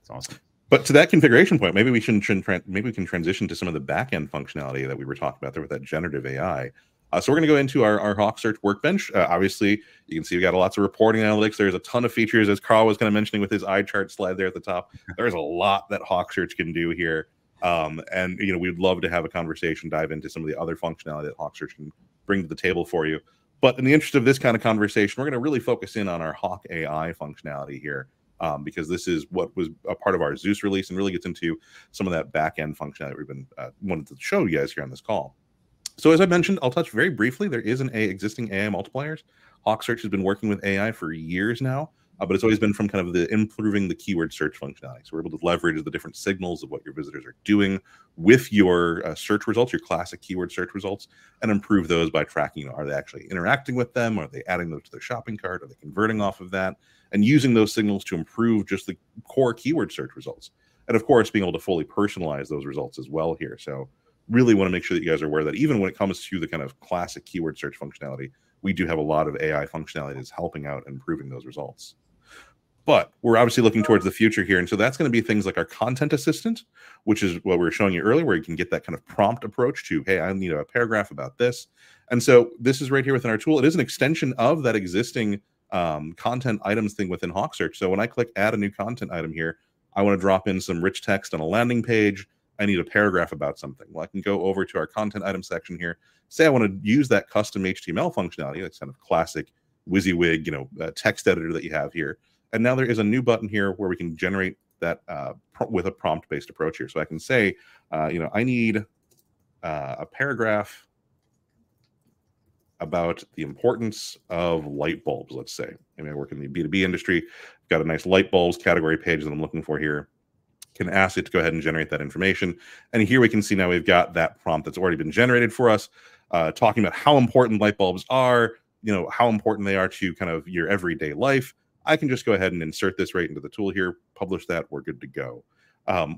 it's awesome. But to that configuration point, maybe we can transition to some of the back-end functionality that we were talking about there with that generative AI. So we're gonna go into our HawkSearch Workbench. Obviously, you can see we've got lots of reporting analytics. There's a ton of features, as Carl was kind of mentioning with his eye chart slide there at the top. There is a lot that HawkSearch can do here. And, you know, we'd love to have a conversation, dive into some of the other functionality that HawkSearch can bring to the table for you. But in the interest of this kind of conversation, we're gonna really focus in on our Hawk AI functionality here, because this is what was a part of our Zeus release and really gets into some of that back-end functionality that we've been wanted to show you guys here on this call. So as I mentioned, I'll touch very briefly. There is an existing AI multipliers. HawkSearch has been working with AI for years now, but it's always been from kind of the improving the Keyword Search functionality. So we're able to leverage the different signals of what your visitors are doing with your search results, your classic Keyword Search results, and improve those by tracking. Are they actually interacting with them? Are they adding those to their shopping cart? Are they converting off of that? Using those signals to improve just the core Keyword Search results. Of course, being able to fully personalize those results as well here. Really wanna make sure that you guys are aware that even when it comes to the kind of classic Keyword Search functionality, we do have a lot of AI functionality that's helping out improving those results... but we're obviously looking towards the future here, and that's gonna be things like our Content Assistant, which is what we were showing you earlier, where you can get that kind of prompt approach to, "Hey, I need a paragraph about this." This is right here within our tool. It is an extension of that existing content items thing within HawkSearch. So when I click add a new content item here, I wanna drop in some rich text on a landing page, I need a paragraph about something. Well, I can go over to our content item section here. Say, I wanna use that custom HTML functionality, that kind of classic WYSIWYG, you know, text editor that you have here, and now there is a new button here where we can generate that, with a prompt-based approach here. So I can say, you know, "I need a paragraph about the importance of light bulbs," let's say. And I work in the B2B industry, got a nice light bulbs category page that I'm looking for here. Can ask it to go ahead and generate that information, and here we can see now we've got that prompt that's already been generated for us, talking about how important light bulbs are, you know, how important they are to kind of your everyday life. I can just go ahead and insert this right into the tool here, publish that, we're good to go.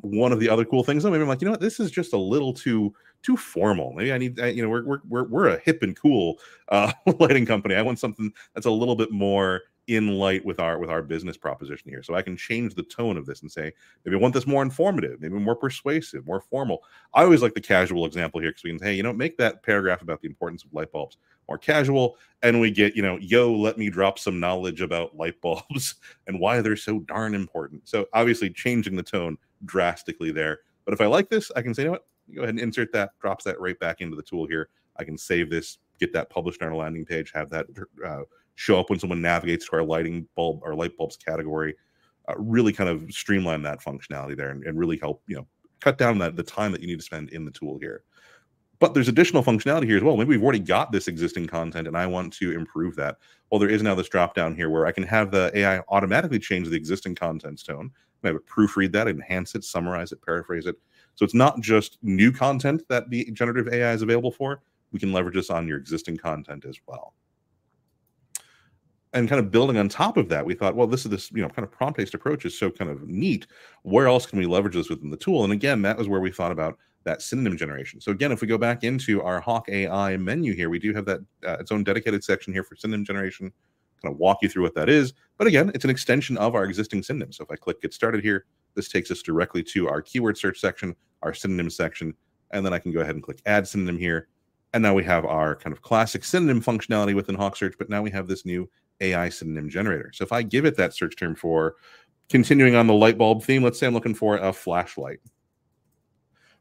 One of the other cool things, maybe I'm like, "You know what? This is just a little too formal. Maybe I need..." You know, we're a hip and cool lighting company. I want something that's a little bit more in light with our business proposition here. So I can change the tone of this and say, "Maybe I want this more informative, maybe more persuasive, more formal." I always like the casual example here, 'cause we can, "Hey, you know, make that paragraph about the importance of light bulbs more casual," and we get, you know, "Yo, let me drop some knowledge about light bulbs and why they're so darn important." So obviously, changing the tone drastically there. But if I like this, I can say, "You know what? Go ahead and insert that," drops that right back into the tool here. I can save this, get that published on our landing page, have that show up when someone navigates to our light bulb or light bulbs category. Really kind of streamline that functionality there and, and really help, you know, cut down the, the time that you need to spend in the tool here. But there's additional functionality here as well. Maybe we've already got this existing content and I want to improve that. Well, there is now this dropdown here, where I can have the AI automatically change the existing content's tone. I have it proofread that, enhance it, summarize it, paraphrase it. So it's not just new content that the generative AI is available for, we can leverage this on your existing content as well. And kind of building on top of that, we thought, well, You know, kind of prompt-based approach is so kind of neat. Where else can we leverage this within the tool? And again, that was where we thought about that synonym generation. So again, if we go back into our Hawk AI menu here, we do have that, its own dedicated section here for synonym generation. Kind of walk you through what that is, but again, it's an extension of our existing synonyms. So if I click Get Started here, this takes us directly to our Keyword Search section, our synonyms section, and then I can go ahead and click Add Synonym here, and now we have our kind of classic synonym functionality within HawkSearch, but now we have this new AI synonym generator. So if I give it that search term for continuing on the light bulb theme, let's say I'm looking for a flashlight.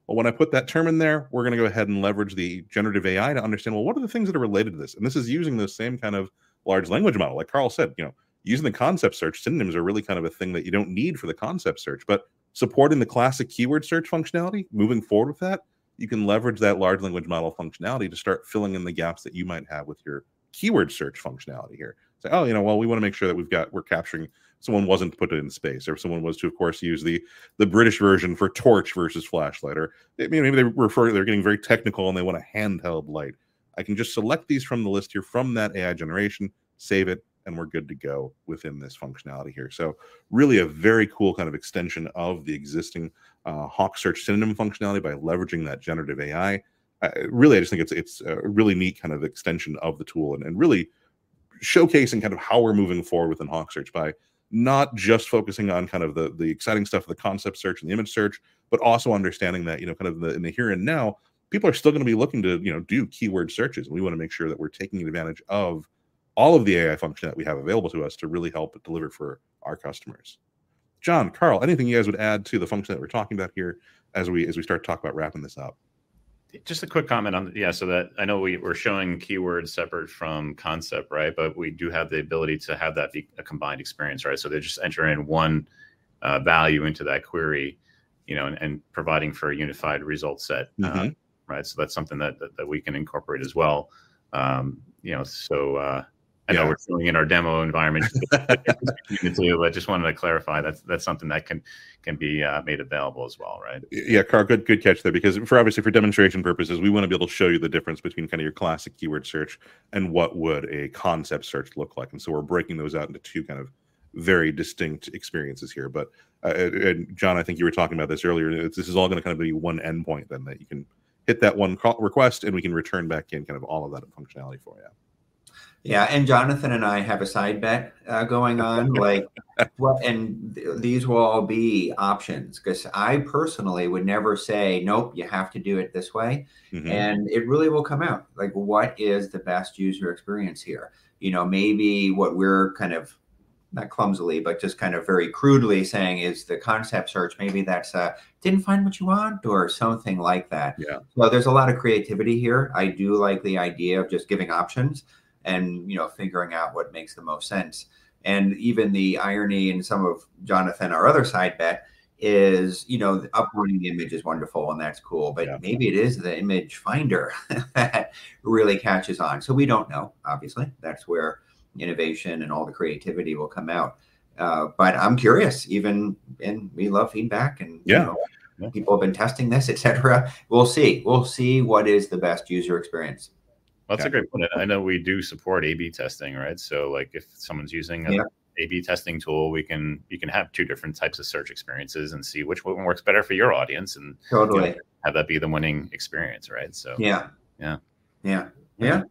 Well, when I put that term in there, we're gonna go ahead and leverage the generative AI to understand, well, what are the things that are related to this? This is using the same kind of large language model. Like Carl said, you know, using the Concept Search, synonyms are really kind of a thing that you don't need for the Concept Search. But supporting the classic Keyword Search functionality, moving forward with that, you can leverage that large language model functionality to start filling in the gaps that you might have with your Keyword Search functionality here. Say, oh, you know, well, we wanna make sure that we've got... We're capturing someone wasn't put it in space, or if someone was to, of course, use the, the British version for torch versus flashlight, or maybe they're referring- they're getting very technical and they want a handheld light. I can just select these from the list here, from that AI generation, save it, and we're good to go within this functionality here. So really a very cool kind of extension of the existing HawkSearch synonym functionality by leveraging that generative AI. Really, I just think it's a really neat kind of extension of the tool and really showcasing kind of how we're moving forward within HawkSearch by not just focusing on kind of the exciting stuff, the Concept Search and the Image Search, but also understanding that, you know, kind of the here and now, people are still gonna be looking to, you know, do Keyword Searches, and we wanna make sure that we're taking advantage of all of the AI functionality that we have available to us to really help deliver for our customers. John, Carl, anything you guys would add to the functionality that we're talking about here, as we start to talk about wrapping this up? Just a quick comment on... Yeah, so that I know we're showing keywords separate from concept, right? But we do have the ability to have that be a combined experience, right? So they just enter in one value into that query, you know, and, and providing for a unified result set- Mm-hmm... right. So that's something that we can incorporate as well. You know, so- Yeah ... I know we're filling in our demo environment. But I just wanted to clarify, that's something that can be made available as well, right? Yeah, Carl, good, good catch there, because for obviously, for demonstration purposes, we wanna be able to show you the difference between kind of your classic Keyword Search and what would a Concept Search look like. And so we're breaking those out into two kind of very distinct experiences here. But, and John, I think you were talking about this earlier, this is all gonna kind of be one endpoint then, that you can hit that one request, and we can return back in kind of all of that functionality for you. Yeah, and Jonathan and I have a side bet going on, like, well, and these will all be options, 'cause I personally would never say, "Nope, you have to do it this way. Mm-hmm. It really will come out, like, what is the best user experience here? You know, maybe what we're kind of, not clumsily, but just kind of very crudely saying is the Concept Search. Maybe that's, "Didn't find what you want?" or something like that. Yeah. Well, there's a lot of creativity here. I do like the idea of just giving options and, you know, figuring out what makes the most sense. Even the irony in some of Jonathan, our other side bet, is, you know, uploading image is wonderful and that's cool. Yeah... but maybe it is the Image Finder that really catches on. So we don't know, obviously. That's where innovation and all the creativity will come out. But I'm curious, even, and we love feedback and, you know- Yeah... people have been testing this, et cetera. We'll see. We'll see what is the best user experience. Yeah. That's a great point, and I know we do support A/B testing, right? So, like, if someone's using- Yeah... a A/B Testing tool, you can have two different types of search experiences and see which one works better for your audience, and- Totally... have that be the winning experience, right? So- Yeah. Yeah.... yeah. Yeah?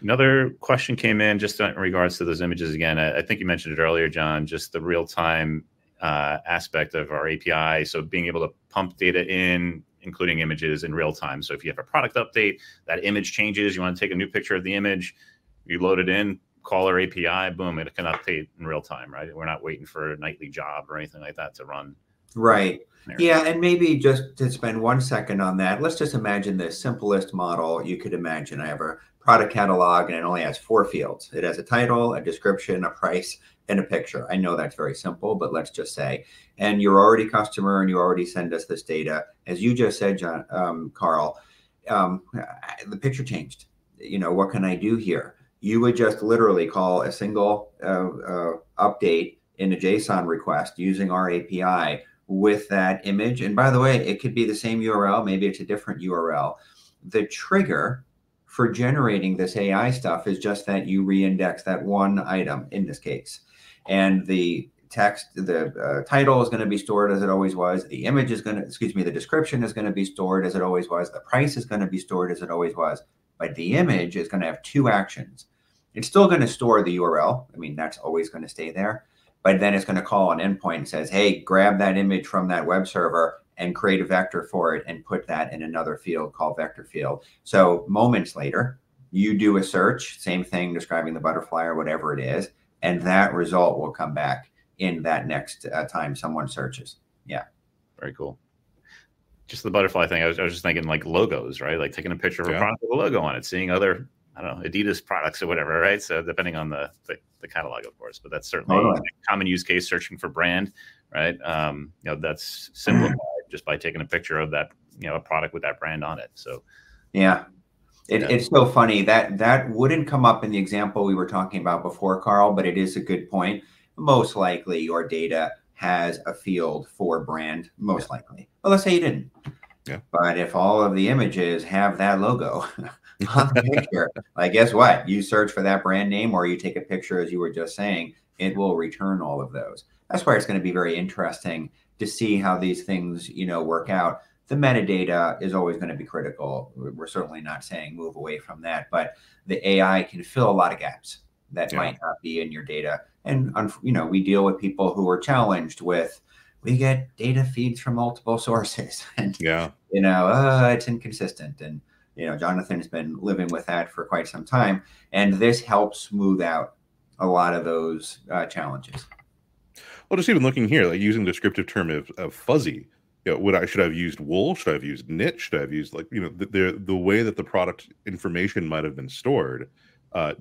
Another question came in just in regards to those images. Again, I think you mentioned it earlier, John, just the real-time aspect of our API, so being able to pump data in, including images, in real-time. So if you have a product update, that image changes, you wanna take a new picture of the image, you load it in, call our API, boom, it can update in real-time, right? We're not waiting for a nightly job or anything like that to run. Right. There. Yeah, and maybe just to spend one second on that, let's just imagine the simplest model you could imagine. I have a product catalog, and it only has four fields. It has a title, a description, a price, and a picture. I know that's very simple, but let's just say... You're already a customer, and you already send us this data. As you just said, John, Carl, the picture changed. You know, what can I do here? You would just literally call a single update in a JSON request using our API with that image. And by the way, it could be the same URL, maybe it's a different URL. The trigger for generating this AI stuff is just that you re-index that one item in this case, and the text-the title is gonna be stored as it always was. Excuse me. The description is gonna be stored as it always was. The price is gonna be stored as it always was. But the image is gonna have two actions. It's still gonna store the URL. I mean, that's always gonna stay there. But then it's gonna call an endpoint and says, "Hey, grab that image from that web server and create a vector for it, and put that in another field called vector field." So moments later, you do a search, same thing, describing the butterfly or whatever it is, and that result will come back in that next time someone searches. Yeah. Very cool. Just the butterfly thing, I was just thinking, like, logos, right? Like, taking a picture- Yeah... of a product with a logo on it, seeing other, I don't know, Adidas products or whatever, right? So depending on the catalog, of course, but that's certainly- Oh... a common use case, searching for brand, right? You know, that's simplified- Mm-hmm... just by taking a picture of that, you know, a product with that brand on it, so. Yeah. Yeah. It's so funny. That wouldn't come up in the example we were talking about before, Carl, but it is a good point. Most likely, your data has a field for brand, most likely. Yeah. But let's say you didn't. Yeah. But if all of the images have that logo on the picture... like, guess what? You search for that brand name or you take a picture, as you were just saying, it will return all of those. That's why it's gonna be very interesting to see how these things, you know, work out. The metadata is always gonna be critical. We're certainly not saying move away from that, but the AI can fill a lot of gaps- Yeah... that might not be in your data. And you know, we deal with people who are challenged with, "We get data feeds from multiple sources," and- Yeah... you know, "it's inconsistent." And, you know, Jonathan's been living with that for quite some time, and this helps smooth out a lot of those challenges. Well, just even looking here, like, using the descriptive term of fuzzy, you know, would should I have used wool? Should I have used knit? Should I have used, like... You know, the way that the product information might have been stored, it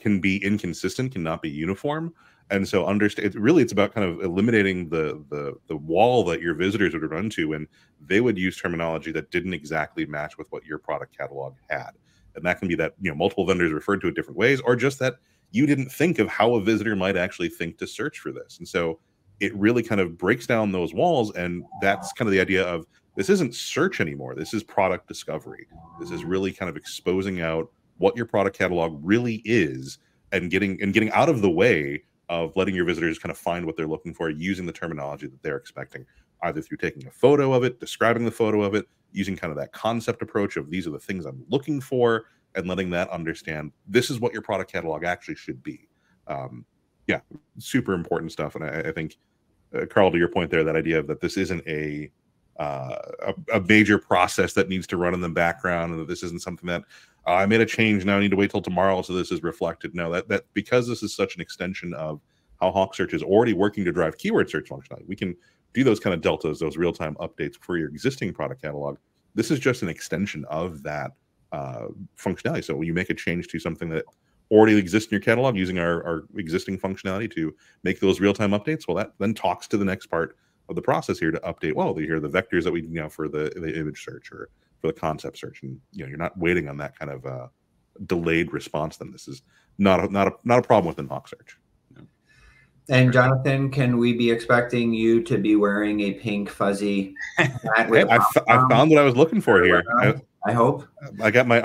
can be inconsistent, can not be uniform, and so really, it's about kind of eliminating the wall that your visitors would run to when they would use terminology that didn't exactly match with what your product catalog had. And that can be that, you know, multiple vendors referred to it different ways, or just that you didn't think of how a visitor might actually think to search for this. And so it really kind of breaks down those walls, and that's kind of the idea of, this isn't search anymore. This is product discovery. This is really kind of exposing out what your product catalog really is and getting out of the way of letting your visitors kind of find what they're looking for, using the terminology that they're expecting, either through taking a photo of it, describing the photo of it, using kind of that concept approach of, "These are the things I'm looking for," and letting that understand this is what your product catalog actually should be. Yeah, super important stuff, and I think, Carl, to your point there, that idea of that this isn't a major process that needs to run in the background, and that this isn't something that, "Oh, I made a change, now I need to wait till tomorrow so this is reflected." No, that... Because this is such an extension of how HawkSearch is already working to drive Keyword Search functionality, we can do those kind of deltas, those real-time updates for your existing product catalog. This is just an extension of that, functionality. So when you make a change to something that already exists in your catalog, using our, our existing functionality to make those real-time updates, well, that then talks to the next part of the process here to update, well, here are the vectors that we do now for the Image Search or for the Concept Search. And, you know, you're not waiting on that kind of, delayed response, then. This is not a, not a, not a problem within HawkSearch. Jonathan, can we be expecting you to be wearing a pink, fuzzy hat with HawkSearch on? I found what I was looking for here. I hope. I got my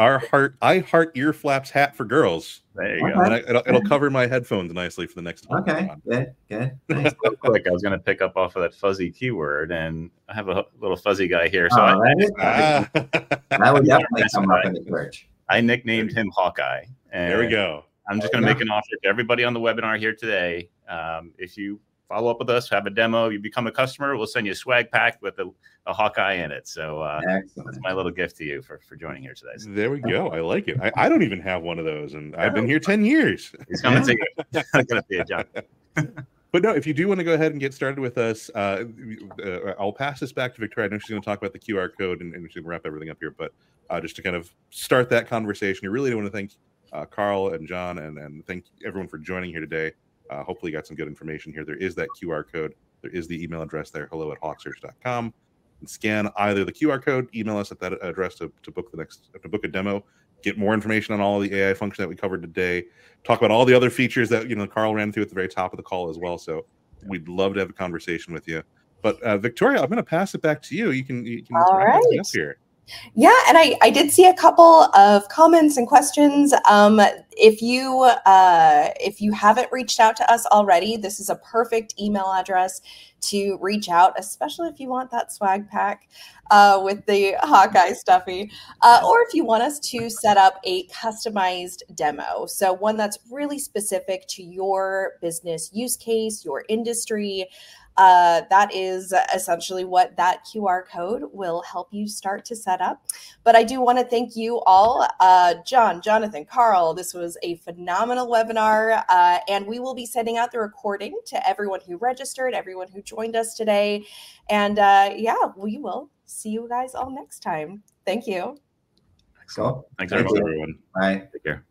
I heart ear flaps hat for girls. There you go. It'll cover my headphones nicely for the next one. Okay... I put it on. Good, good. Nice. Real quick, I was gonna pick up off of that fuzzy keyword, and I have a little fuzzy guy here, so I- Oh, is that it? That would definitely come up in the search. I nicknamed him Hawkeye, and- There we go.... I'm just gonna make an offer to everybody on the webinar here today. If you follow up with us, have a demo, you become a customer, we'll send you a swag pack with a Hawkeye in it. So, Excellent... that's my little gift to you for joining here today. There we go. I like it. I, I don't even have one of those, and- I know... I've been here 10 years. He's coming to get you. It's gonna be a job. But no, if you do wanna go ahead and get started with us, I'll pass this back to Victoria. I know she's gonna talk about the QR code, and she's gonna wrap everything up here. But just to kind of start that conversation, I really do wanna thank Carl and John, and thank everyone for joining here today. Hopefully you got some good information here. There is that QR code. There is the email address there, hello@hawksearch.com, and scan either the QR code, email us at that address to book a demo, get more information on all the AI functions that we covered today, talk about all the other features that, you know, Carl ran through at the very top of the call as well. So we'd love to have a conversation with you. But, Victoria, I'm gonna pass it back to you. You can, you can- All right... wrap things up here. Yeah, and I, I did see a couple of comments and questions. If you haven't reached out to us already, this is a perfect email address to reach out, especially if you want that swag pack with the Hawkeye stuffy or if you want us to set up a customized demo, so one that's really specific to your business use case, your industry. That is essentially what that QR code will help you start to set up. But I do wanna thank you all, John, Jonathan, Carl. This was a phenomenal webinar, and we will be sending out the recording to everyone who registered, everyone who joined us today. And yeah, we will see you guys all next time. Thank you. Excellent. Thanks, everyone. Thank you. Bye. Take care. Bye.